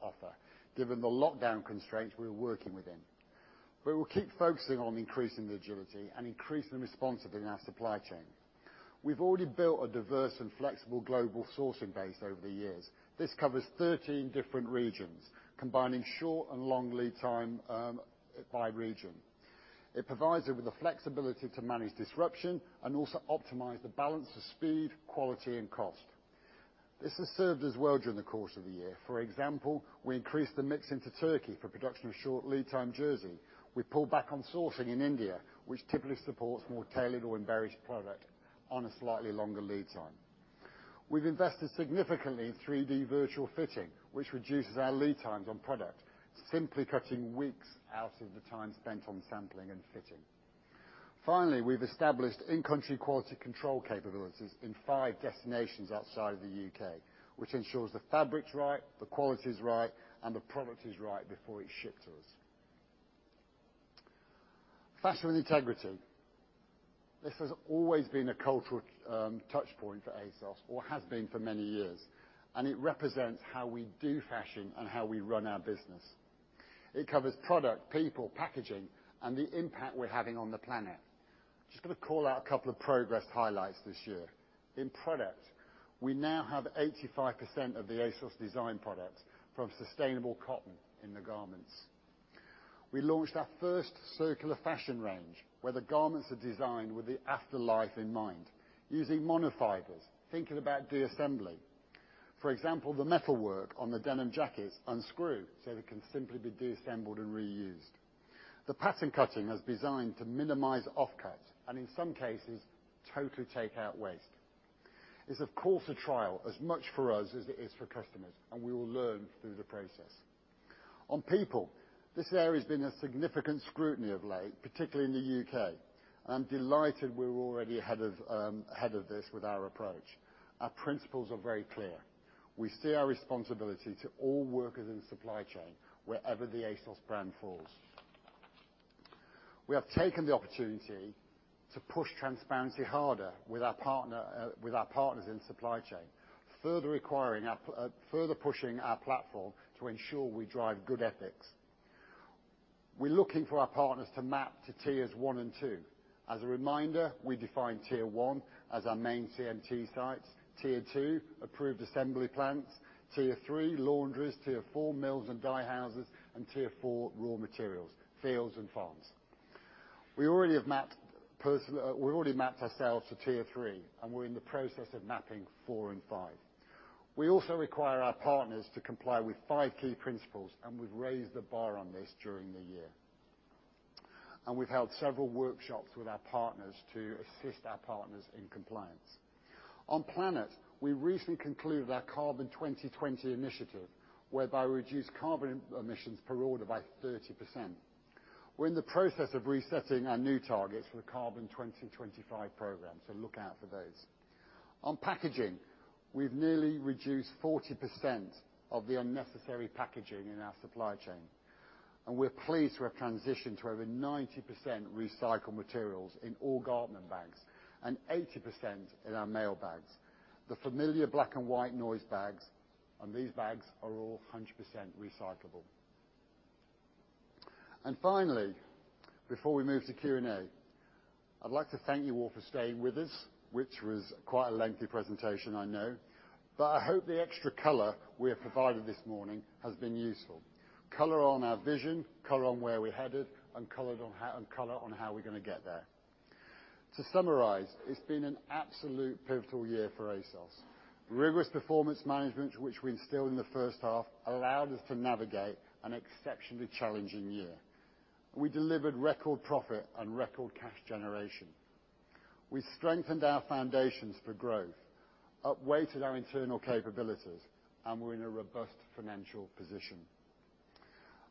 offer, given the lockdown constraints we were working within. We'll keep focusing on increasing the agility and increasing the response within our supply chain. We've already built a diverse and flexible global sourcing base over the years. This covers 13 different regions, combining short and long lead time by region. It provides us with the flexibility to manage disruption and also optimize the balance of speed, quality, and cost. This has served us well during the course of the year. For example, we increased the mix into Turkey for production of short lead time jersey. We pulled back on sourcing in India, which typically supports more tailored or embellished product on a slightly longer lead time. We've invested significantly in 3D virtual fitting, which reduces our lead times on product, simply cutting weeks out of the time spent on sampling and fitting. Finally, we've established in-country quality control capabilities in five destinations outside the U.K., which ensures the fabric's right, the quality's right, and the product is right before it's shipped to us. Fashion with Integrity. This has always been a cultural touch point for ASOS or has been for many years, and it represents how we do fashion and how we run our business. It covers product, people, packaging, and the impact we're having on the planet. Just going to call out a couple of progress highlights this year. In product, we now have 85% of the ASOS DESIGN product from sustainable cotton in the garments. We launched our first circular fashion range, where the garments are designed with the afterlife in mind, using mono-fibers, thinking about de-assembly. For example, the metalwork on the denim jackets unscrew, so they can simply be de-assembled and reused. The pattern cutting is designed to minimize offcuts, and in some cases, totally take out waste. It's of course a trial as much for us as it is for customers, and we will learn through the process. On people, this area's been under significant scrutiny of late, particularly in the U.K. I'm delighted we're already ahead of this with our approach. Our principles are very clear. We see our responsibility to all workers in the supply chain, wherever the ASOS brand falls. We have taken the opportunity to push transparency harder with our partners in the supply chain, further pushing our platform to ensure we drive good ethics. We're looking for our partners to map to tiers 1 and 2. As a reminder, we define tier 1 as our main CMT sites, tier 2, approved assembly plants, tier 3, laundries, tier 4, mills and dye houses, and tier 4, raw materials, fields and farms. We've already mapped ourselves to tier 3, and we're in the process of mapping 4 and 5. We also require our partners to comply with five key principles, and we've raised the bar on this during the year. We've held several workshops with our partners to assist our partners in compliance. On planet, we recently concluded our Carbon 2020 initiative, whereby we reduced carbon emissions per order by 30%. We're in the process of resetting our new targets for the Carbon 2025 program, so look out for those. On packaging, we've nearly reduced 40% of the unnecessary packaging in our supply chain, and we're pleased to have transitioned to over 90% recycled materials in all garment bags, and 80% in our mail bags. The familiar black and white noise bags, and these bags are all 100% recyclable. Finally, before we move to Q&A, I'd like to thank you all for staying with us, which was quite a lengthy presentation, I know. I hope the extra color we have provided this morning has been useful. Color on our vision, color on where we're headed, and color on how we're going to get there. To summarize, it's been an absolute pivotal year for ASOS. Rigorous performance management, which we instilled in the first half, allowed us to navigate an exceptionally challenging year. We delivered record profit and record cash generation. We strengthened our foundations for growth, upweighted our internal capabilities. We're in a robust financial position.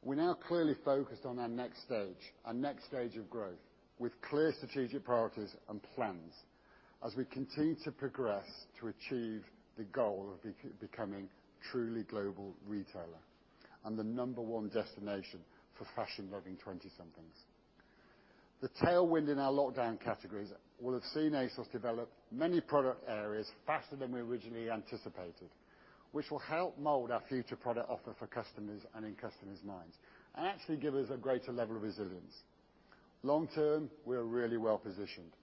We're now clearly focused on our next stage, our next stage of growth, with clear strategic priorities and plans, as we continue to progress to achieve the goal of becoming a truly global retailer, and the number one destination for fashion-loving 20-somethings. The tailwind in our lockdown categories will have seen ASOS develop many product areas faster than we originally anticipated, which will help mold our future product offer for customers and in customers' minds. Actually give us a greater level of resilience. Long term, we are really well positioned.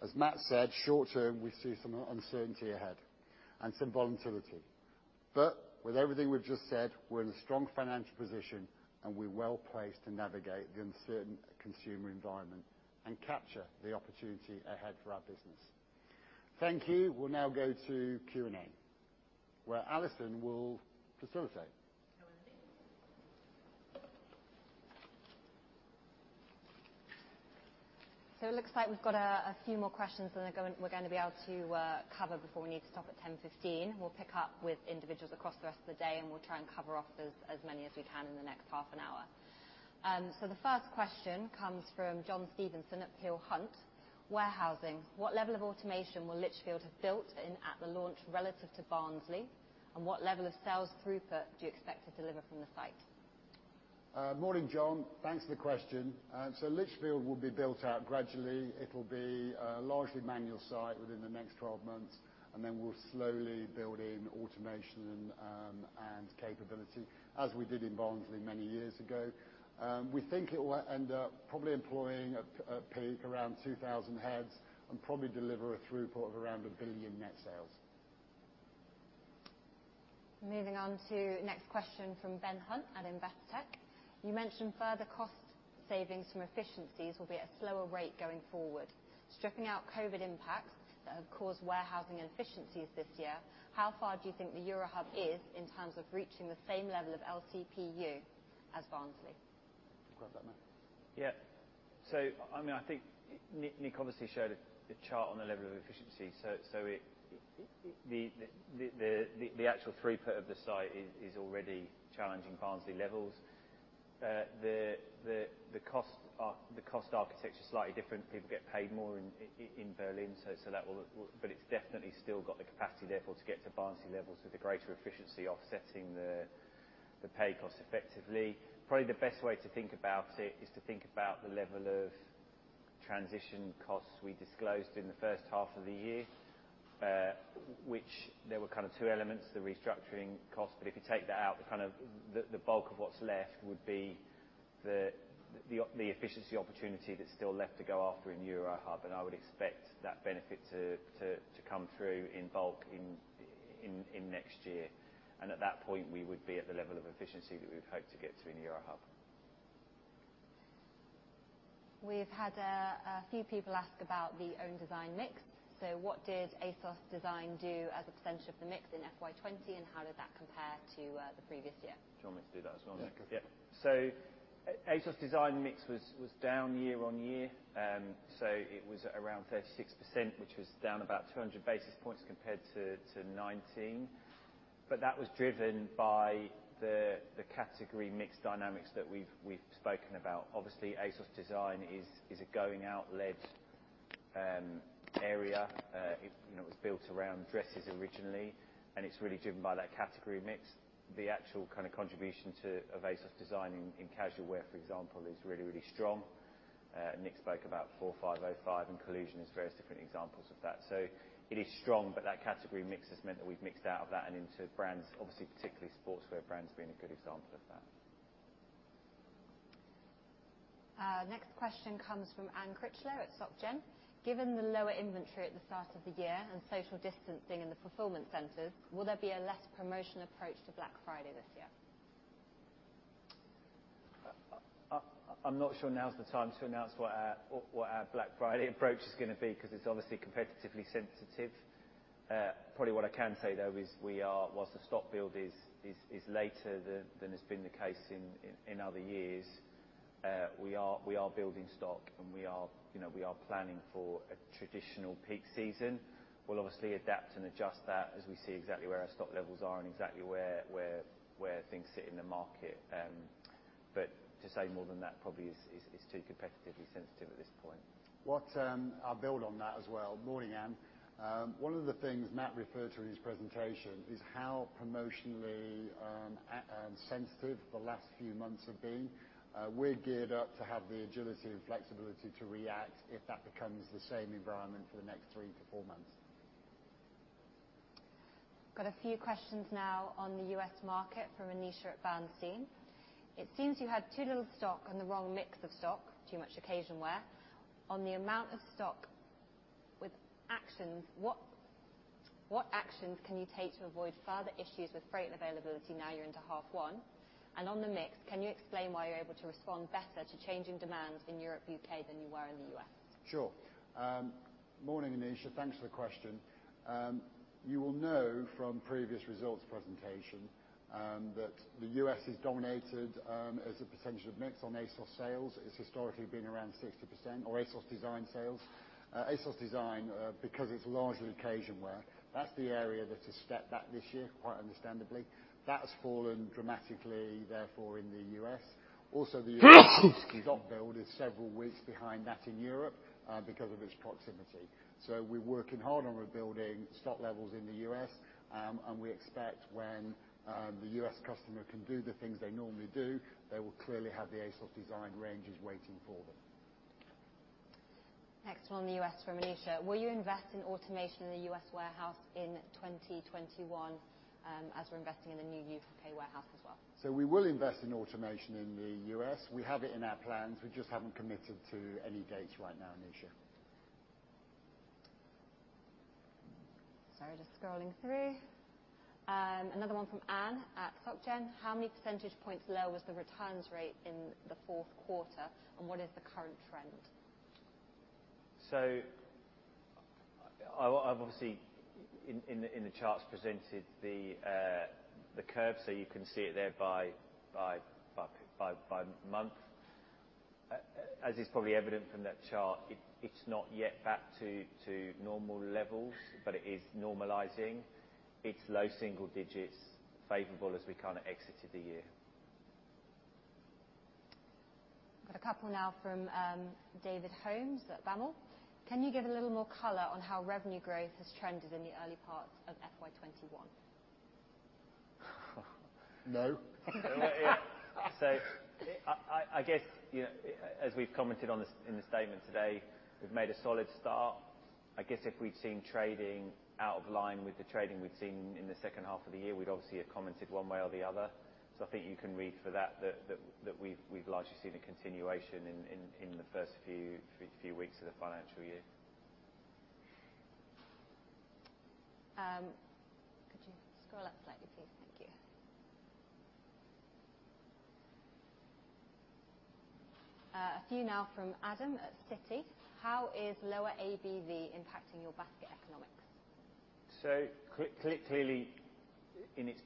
As Mat said, short term, we see some uncertainty ahead and some volatility. With everything we've just said, we're in a strong financial position and we're well placed to navigate the uncertain consumer environment and capture the opportunity ahead for our business. Thank you. We'll now go to Q&A, where Alison will facilitate. No worries. It looks like we've got a few more questions than we're going to be able to cover before we need to stop at 10:15 A.M. We'll pick up with individuals across the rest of the day, and we'll try and cover as many as we can in the next half an hour. The first question comes from John Stevenson at Peel Hunt. Warehousing, what level of automation will Lichfield have built in at the launch relative to Barnsley? What level of sales throughput do you expect to deliver from the site? Morning, John. Thanks for the question. Lichfield will be built out gradually. It'll be a largely manual site within the next 12 months, and then we'll slowly build in automation and capability, as we did in Barnsley many years ago. We think it will end up probably employing at peak around 2,000 heads, and probably deliver a throughput of around 1 billion net sales. Moving on to next question from Ben Hunt at Investec. You mentioned further cost savings from efficiencies will be at a slower rate going forward. Stripping out COVID impacts that have caused warehousing inefficiencies this year, how far do you think the Eurohub is in terms of reaching the same level of [LTPU] as Barnsley? You've got that, Mat. Yeah. I think Nick obviously showed the chart on the level of efficiency. The actual throughput of the site is already challenging Barnsley levels. The cost architecture is slightly different. People get paid more in Berlin, but it's definitely still got the capacity, therefore, to get to Barnsley levels with the greater efficiency offsetting the pay cost effectively. Probably the best way to think about it is to think about the level of transition costs we disclosed in the first half of the year, which there were kind of two elements, the restructuring cost, but if you take that out, the bulk of what's left would be the efficiency opportunity that's still left to go after in Eurohub. I would expect that benefit to come through in bulk in next year. At that point, we would be at the level of efficiency that we would hope to get to in Eurohub. We've had a few people ask about the own design mix. What did ASOS DESIGN do as a percentage of the mix in FY 2020, and how did that compare to the previous year? Do you want me to do that as well, Nick? Yeah. Yeah. ASOS DESIGN mix was down year-on-year. It was around 36%, which was down about 200 basis points compared to 2019. That was driven by the category mix dynamics that we've spoken about. Obviously, ASOS DESIGN is a going out led area. It was built around dresses originally, and it's really driven by that category mix. The actual contribution to ASOS DESIGN in casual wear, for example, is really strong. Nick spoke about 4505 and COLLUSION as various different examples of that. It is strong, but that category mix has meant that we've mixed out of that and into brands, obviously particularly sportswear brands being a good example of that. Next question comes from Anne Critchlow at SocGen. Given the lower inventory at the start of the year and social distancing in the fulfillment centers, will there be a less promotion approach to Black Friday this year? I'm not sure now's the time to announce what our Black Friday approach is going to be, because it's obviously competitively sensitive. Probably what I can say, though, is whilst the stock build is later than has been the case in other years, we are building stock and we are planning for a traditional peak season. We'll obviously adapt and adjust that as we see exactly where our stock levels are and exactly where things sit in the market. To say more than that probably is too competitively sensitive at this point. I'll build on that as well. Morning, Anne. One of the things Mat referred to in his presentation is how promotionally sensitive the last few months have been. We're geared up to have the agility and flexibility to react if that becomes the same environment for the next three to four months. Got a few questions now on the U.S. market from Aneesha at Bernstein. It seems you had too little stock and the wrong mix of stock, too much occasion wear. On the amount of stock, with actions, what actions can you take to avoid further issues with freight availability now you're into half one? On the mix, can you explain why you're able to respond better to changing demands in Europe, U.K. than you were in the U.S.? Sure. Morning, Aneesha. Thanks for the question. You will know from previous results presentation, that the U.S. is dominated, as a percentage of mix on ASOS sales. It's historically been around 60%, or ASOS DESIGN sales. ASOS DESIGN, because it's largely occasion wear, that's the area that has stepped back this year, quite understandably. That has fallen dramatically, therefore, in the U.S. Also, the U.S., excuse me, stock build is several weeks behind that in Europe, because of its proximity. We're working hard on rebuilding stock levels in the U.S., and we expect when the U.S. customer can do the things they normally do, they will clearly have the ASOS DESIGN ranges waiting for them. Next one on the U.S. from Aneesha. Will you invest in automation in the U.S. warehouse in 2021, as we're investing in the new U.K. warehouse as well? We will invest in automation in the U.S. We have it in our plans. We just haven't committed to any dates right now, Aneesha. Sorry, just scrolling through. Another one from Anne at Soc Gen. How many percentage points low was the returns rate in the fourth quarter, and what is the current trend? I've obviously, in the charts, presented the curve so you can see it there by month. As is probably evident from that chart, it's not yet back to normal levels, but it is normalizing. It's low single digits, favorable as we kind of exited the year. Got a couple now from David Holmes at BAML. Can you give a little more color on how revenue growth has trended in the early parts of FY 2021? No. I guess, as we've commented in the statement today, we've made a solid start. I guess if we'd seen trading out of line with the trading we'd seen in the second half of the year, we'd obviously have commented one way or the other. I think you can read for that we've largely seen a continuation in the first few weeks of the financial year. Could you scroll up slightly, please? Thank you. A few now from Adam at Citi. How is lower ABV impacting your basket economics? Clearly, in its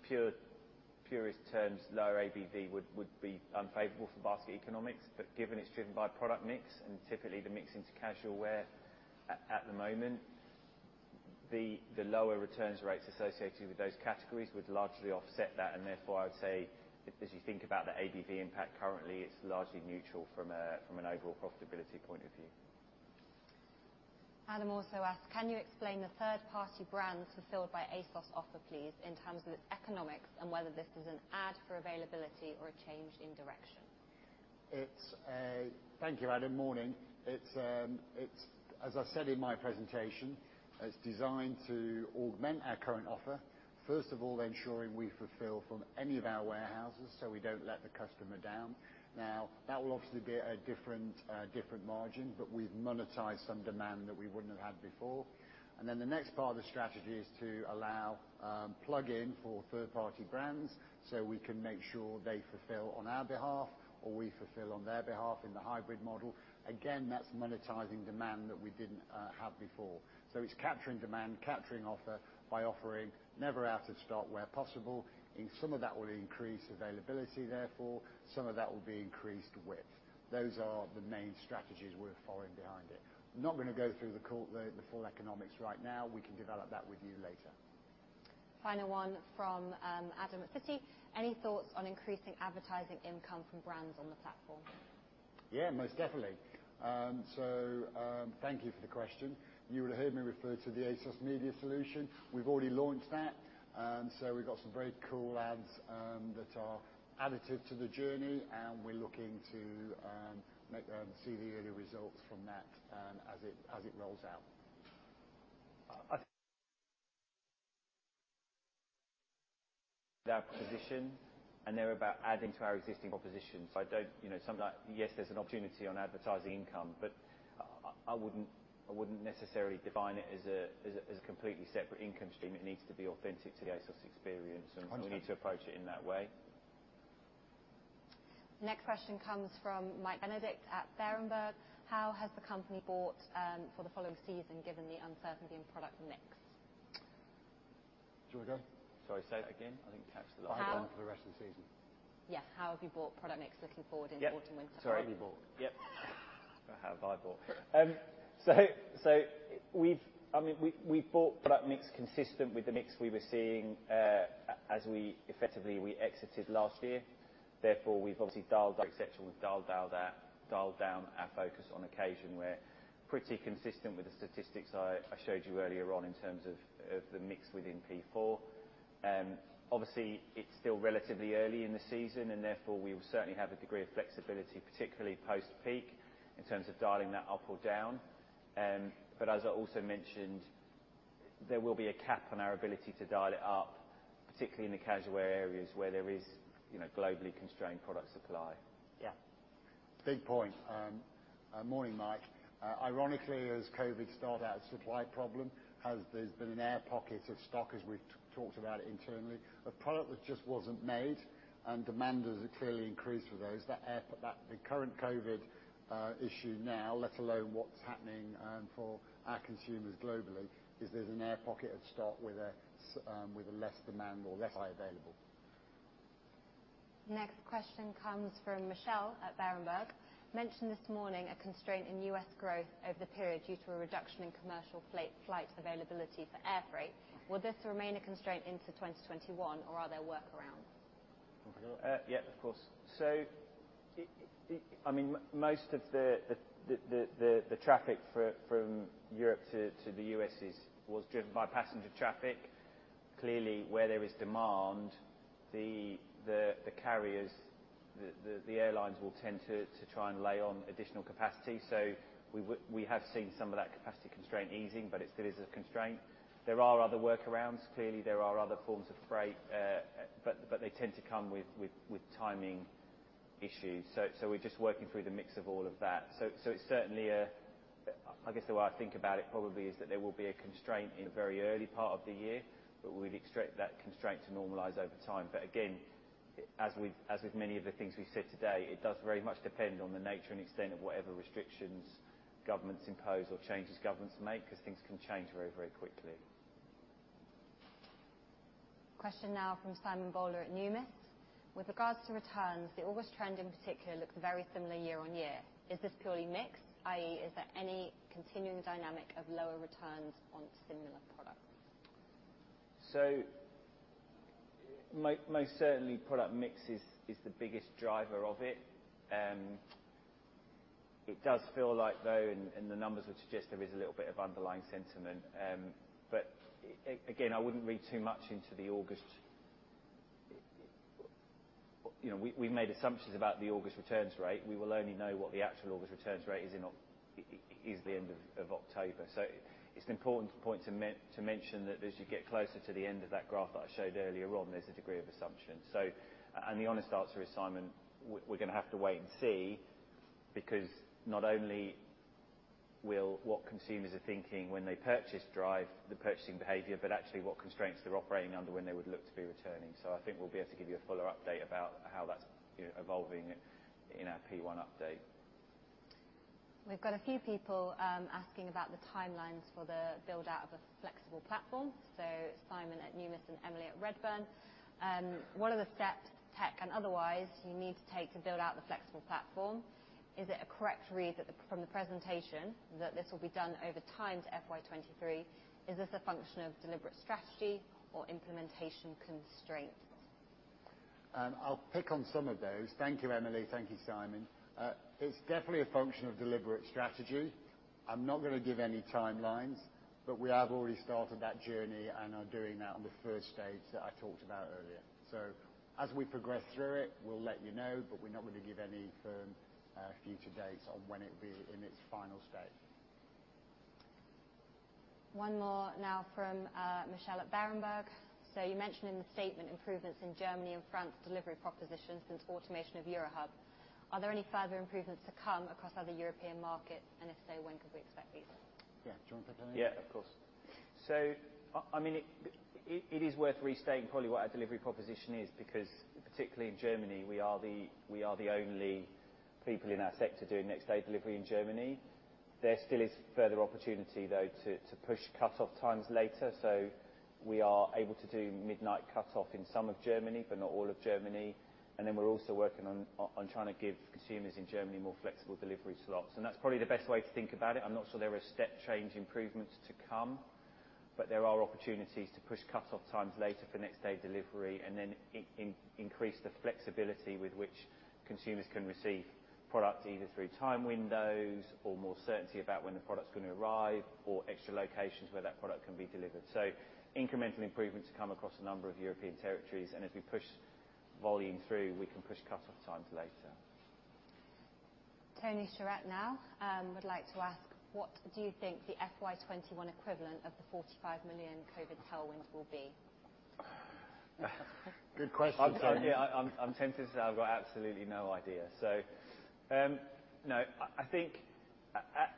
purest terms, lower ABV would be unfavorable for basket economics. Given it's driven by product mix, and typically the mix into casual wear at the moment, the lower returns rates associated with those categories would largely offset that. Therefore, I would say as you think about the ABV impact currently, it's largely neutral from an overall profitability point of view. Adam also asks, can you explain the third-party brands fulfilled by ASOS offer, please, in terms of its economics and whether this is an add for availability or a change in direction? Thank you, Adam. Morning. As I said in my presentation, it's designed to augment our current offer. First of all, ensuring we fulfill from any of our warehouses so we don't let the customer down. That will obviously be at a different margin, but we've monetized some demand that we wouldn't have had before. The next part of the strategy is to allow plug-in for third party brands so we can make sure they fulfill on our behalf, or we fulfill on their behalf in the hybrid model. Again, that's monetizing demand that we didn't have before. It's capturing demand, capturing offer by offering never out of stock where possible. Some of that will increase availability, therefore. Some of that will be increased width. Those are the main strategies we're following behind it. Not going to go through the full economics right now. We can develop that with you later. Final one from Adam at Citi. Any thoughts on increasing advertising income from brands on the platform? Most definitely. Thank you for the question. You would have heard me refer to the ASOS Media Solutions. We've already launched that. We've got some very cool ads that are additive to the journey, and we're looking to see the early results from that as it rolls out. Our position. They're about adding to our existing proposition. Yes, there's an opportunity on advertising income. I wouldn't necessarily define it as a completely separate income stream. It needs to be authentic to the ASOS experience. Understood. We need to approach it in that way. Next question comes from Mike Benedict at Berenberg. How has the company bought for the following season, given the uncertainty in product mix? Do you want a go? Sorry, say it again? I didn't catch the last one. How- Bought for the rest of the season. Yeah. How have you bought product mix looking forward in autumn, winter? Yeah. Sorry. How have you bought? Yep. How have I bought? We've bought product mix consistent with the mix we were seeing as we effectively exited last year. Therefore, we've obviously dialed et cetera, we've dialed down our focus on occasion. We're pretty consistent with the statistics I showed you earlier on in terms of the mix within P4. Obviously, it's still relatively early in the season and therefore we will certainly have a degree of flexibility, particularly post-peak, in terms of dialing that up or down. But as I also mentioned, there will be a cap on our ability to dial it up, particularly in the casual wear areas where there is globally constrained product supply. Yeah. Big point. Morning, Mike. Ironically, as COVID-19 started out a supply problem, there's been an air pocket of stock as we've talked about internally, of product that just wasn't made, and demand has clearly increased for those. The current COVID-19 issue now, let alone what's happening for our consumers globally, is there's an air pocket of stock with a less demand or less high available. Next question comes from Michelle at Berenberg. Mentioned this morning a constraint in U.S. growth over the period due to a reduction in commercial flight availability for air freight. Will this remain a constraint into 2021 or are there workarounds? Yeah, of course. Most of the traffic from Europe to the U.S. was driven by passenger traffic. Clearly, where there is demand, the carriers, the airlines will tend to try and lay on additional capacity. We have seen some of that capacity constraint easing, but it still is a constraint. There are other workarounds. Clearly, there are other forms of freight, but they tend to come with timing issues. We're just working through the mix of all of that. It's certainly a I guess the way I think about it probably is that there will be a constraint in the very early part of the year, but we'd expect that constraint to normalize over time. Again, as with many of the things we've said today, it does very much depend on the nature and extent of whatever restrictions governments impose or changes governments make because things can change very quickly. Question now from Simon Bowler at Numis. With regards to returns, the August trend in particular looked very similar year-on-year. Is this purely mix, i.e., is there any continuing dynamic of lower returns on similar products? Most certainly product mix is the biggest driver of it. It does feel like though, and the numbers would suggest there is a little bit of underlying sentiment. I wouldn't read too much into the August. We made assumptions about the August returns rate. We will only know what the actual August returns rate is the end of October. It's an important point to mention that as you get closer to the end of that graph that I showed earlier on, there's a degree of assumption. The honest answer is, Simon, we're going to have to wait and see because not only will what consumers are thinking when they purchase drive the purchasing behavior, but actually what constraints they're operating under when they would look to be returning. I think we'll be able to give you a fuller update about how that's evolving in our P1 update. We've got a few people asking about the timelines for the build-out of a flexible platform. Simon at Numis and Emily at Redburn. What are the steps, tech and otherwise, you need to take to build out the flexible platform? Is it a correct read from the presentation that this will be done over time to FY 2023? Is this a function of deliberate strategy or implementation constraint? I'll pick on some of those. Thank you, Emily. Thank you, Simon. It's definitely a function of deliberate strategy. I'm not going to give any timelines, but we have already started that journey and are doing that on the 1st stage that I talked about earlier. As we progress through it, we'll let you know, but we're not going to give any firm future dates on when it will be in its final state. One more now from Michelle at Berenberg. You mentioned in the statement improvements in Germany and France delivery propositions since automation of Eurohub. Are there any further improvements to come across other European markets? If so, when could we expect these? Yeah. Do you want to take that one? Yeah, of course. It is worth restating probably what our delivery proposition is, because particularly in Germany, we are the only people in our sector doing next day delivery in Germany. There still is further opportunity, though, to push cut-off times later. We are able to do midnight cut-off in some of Germany, but not all of Germany. We're also working on trying to give consumers in Germany more flexible delivery slots. That's probably the best way to think about it. I'm not sure there are step change improvements to come, but there are opportunities to push cut-off times later for next day delivery and then increase the flexibility with which consumers can receive products, either through time windows or more certainty about when the product's going to arrive or extra locations where that product can be delivered. Incremental improvements come across a number of European territories, and as we push volume through, we can push cut-off times later. Tony Shiret now would like to ask, what do you think the FY 2021 equivalent of the 45 million COVID-19 tailwind will be? Good question, Tony. I'm tempted to say I've got absolutely no idea. No, I think,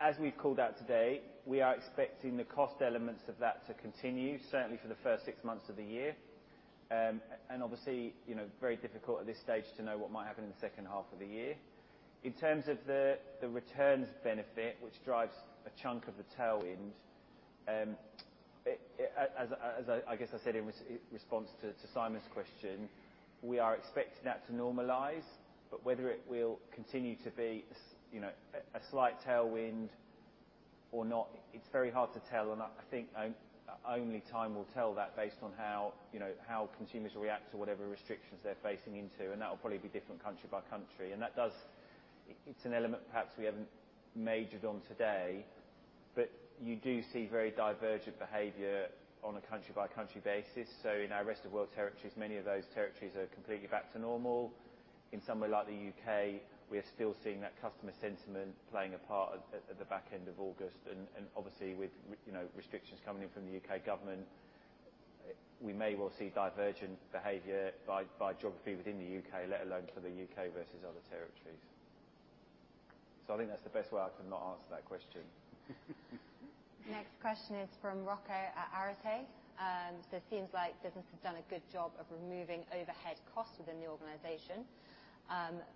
as we've called out today, we are expecting the cost elements of that to continue, certainly for the first six months of the year. Obviously, very difficult at this stage to know what might happen in the second half of the year. In terms of the returns benefit, which drives a chunk of the tailwind, as I guess I said in response to Simon's question, we are expecting that to normalize. Whether it will continue to be a slight tailwind or not, it's very hard to tell. I think only time will tell that based on how consumers react to whatever restrictions they're facing into, and that will probably be different country by country. It's an element perhaps we haven't majored on today, but you do see very divergent behavior on a country by country basis. In our rest of world territories, many of those territories are completely back to normal. In somewhere like the U.K., we are still seeing that customer sentiment playing a part at the back end of August. Obviously, with restrictions coming in from the U.K. government, we may well see divergent behavior by geography within the U.K., let alone for the U.K. versus other territories. I think that's the best way I can not answer that question. Next question is from Rocco at Arete. It seems like business has done a good job of removing overhead costs within the organization.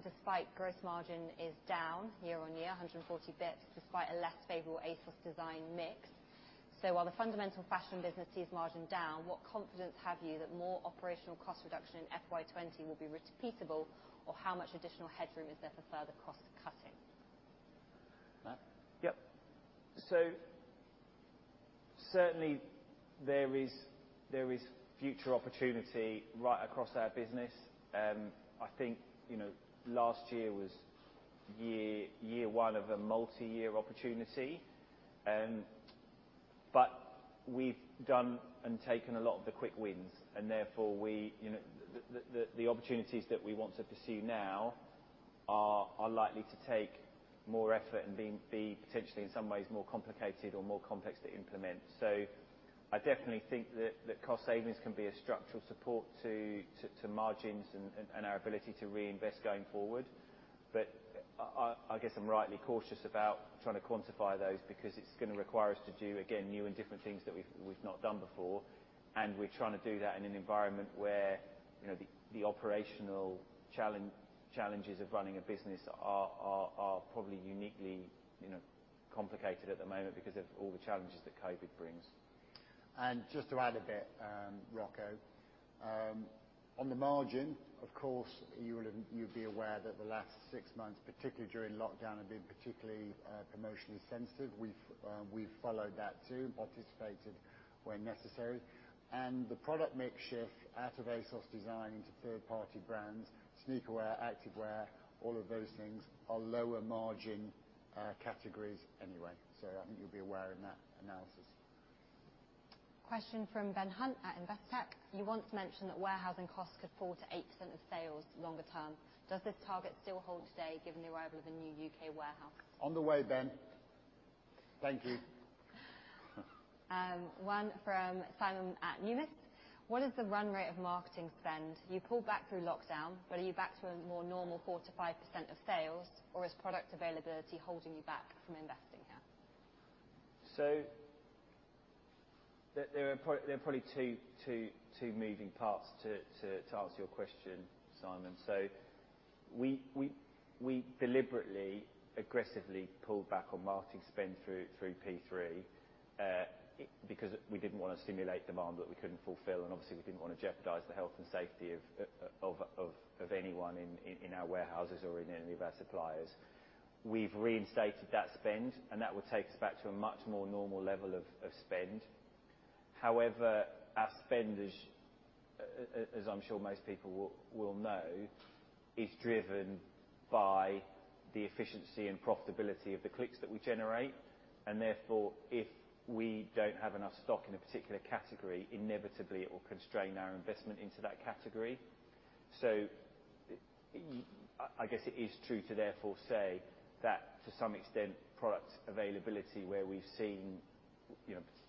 Despite gross margin is down year-over-year, 140 basis points, despite a less favorable ASOS DESIGN mix. While the fundamental fashion business sees margin down, what confidence have you that more operational cost reduction in FY 2020 will be repeatable? How much additional headroom is there for further cost cutting? Mat? Yep. Certainly, there is future opportunity right across our business. I think last year was year one of a multi-year opportunity. We've done and taken a lot of the quick wins and therefore, the opportunities that we want to pursue now are likely to take more effort and be potentially, in some ways, more complicated or more complex to implement. I definitely think that cost savings can be a structural support to margins and our ability to reinvest going forward. I guess I'm rightly cautious about trying to quantify those because it's going to require us to do, again, new and different things that we've not done before. We're trying to do that in an environment where the operational challenges of running a business are probably uniquely complicated at the moment because of all the challenges that COVID brings. Just to add a bit, Rocco. On the margin, of course, you'd be aware that the last six months, particularly during lockdown, have been particularly promotionally sensitive. We've followed that too, and participated where necessary. The product mix shift out of ASOS DESIGN third party brands, sneaker wear, active wear, all of those things, are lower margin categories anyway. I think you'll be aware of that analysis. Question from Ben Hunt at Investec. You once mentioned that warehousing costs could fall to 8% of sales longer term. Does this target still hold today given the arrival of the new U.K. warehouse? On the way, Ben. Thank you. One from Simon at Numis. What is the run rate of marketing spend? You pulled back through lockdown, but are you back to a more normal 4%-5% of sales, or is product availability holding you back from investing here? There are probably two moving parts to answer your question, Simon. We deliberately, aggressively pulled back on marketing spend through P3, because we didn't want to stimulate demand that we couldn't fulfill, and obviously we didn't want to jeopardize the health and safety of anyone in our warehouses or any of our suppliers. We've reinstated that spend, that will take us back to a much more normal level of spend. However, our spend, as I'm sure most people will know, is driven by the efficiency and profitability of the clicks that we generate, therefore, if we don't have enough stock in a particular category, inevitably it will constrain our investment into that category. I guess it is true to therefore say that to some extent, product availability where we've seen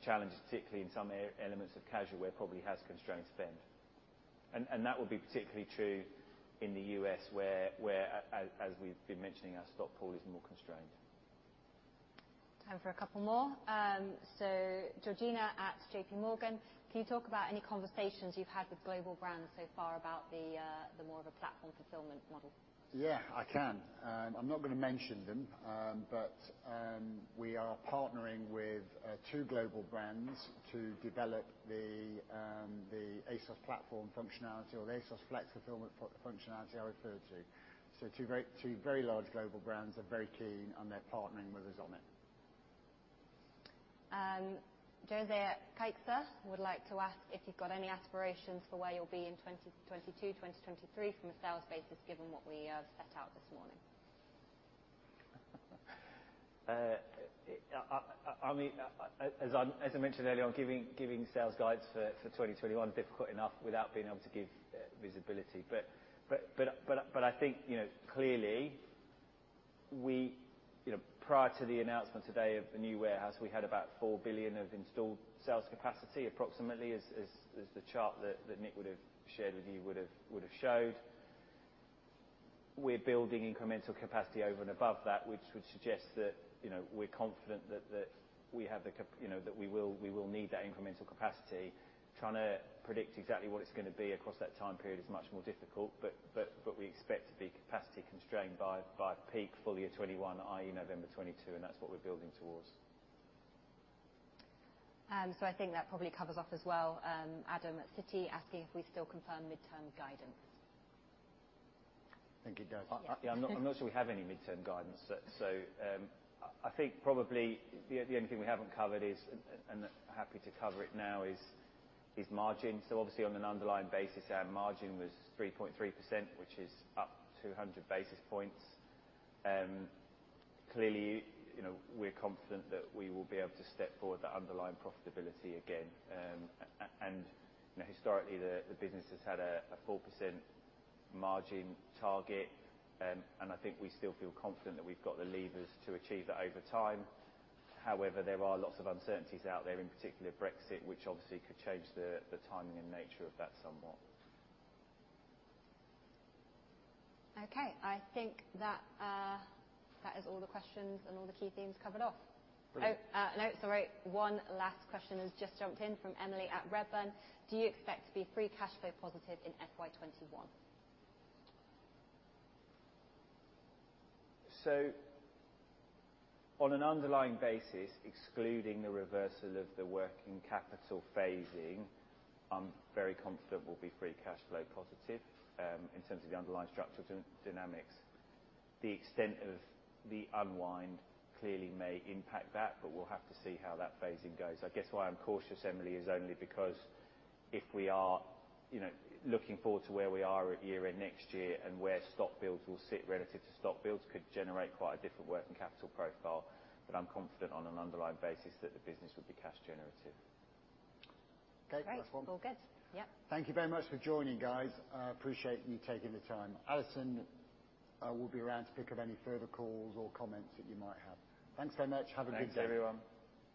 challenges, particularly in some elements of casual wear, probably has constrained spend. That will be particularly true in the U.S. where, as we've been mentioning, our stock pool is more constrained. Time for a couple more. Georgina at JPMorgan. Can you talk about any conversations you've had with global brands so far about the more of a platform fulfillment model? Yeah, I can. I'm not going to mention them. We are partnering with two global brands to develop the ASOS platform functionality or the ASOS Flexible Fulfilment functionality I referred to. Two very large global brands are very keen, and they're partnering with us on it. Jose at Kepler Cheuvreux would like to ask if you've got any aspirations for where you'll be in 2022, 2023 from a sales basis, given what we set out this morning. As I mentioned earlier on, giving sales guides for 2021, difficult enough without being able to give visibility. I think, clearly, prior to the announcement today of the new warehouse, we had about 4 billion of installed sales capacity, approximately, as the chart that Nick would have shared with you would have showed. We're building incremental capacity over and above that, which would suggest that we're confident that we will need that incremental capacity. Trying to predict exactly what it's going to be across that time period is much more difficult, but we expect to be capacity constrained by peak full year 2021, i.e., November 2022, and that's what we're building towards. I think that probably covers off as well Adam at Citi asking if we still confirm midterm guidance. Thank you, guys. Yeah, I'm not sure we have any midterm guidance. I think probably the only thing we haven't covered is, and happy to cover it now, is margin. Obviously on an underlying basis, our margin was 3.3%, which is up 200 basis points. Clearly, we're confident that we will be able to step forward that underlying profitability again. Historically, the business has had a 4% margin target, and I think we still feel confident that we've got the levers to achieve that over time. However, there are lots of uncertainties out there, in particular Brexit, which obviously could change the timing and nature of that somewhat. Okay. I think that is all the questions and all the key themes covered off. Brilliant. No, sorry. One last question has just jumped in from Emily at Redburn. Do you expect to be free cash flow positive in FY 2021? On an underlying basis, excluding the reversal of the working capital phasing, I am very confident we will be free cash flow positive, in terms of the underlying structural dynamics. The extent of the unwind clearly may impact that, but we will have to see how that phasing goes. I guess why I am cautious, Emily, is only because if we are looking forward to where we are at year end next year and where stock builds will sit relative to stock builds, could generate quite a different working capital profile. I am confident on an underlying basis that the business would be cash generative. Okay, last one. Great. All good. Yep. Thank you very much for joining, guys. I appreciate you taking the time. Alison will be around to pick up any further calls or comments that you might have. Thanks very much. Have a good day. Thanks, everyone.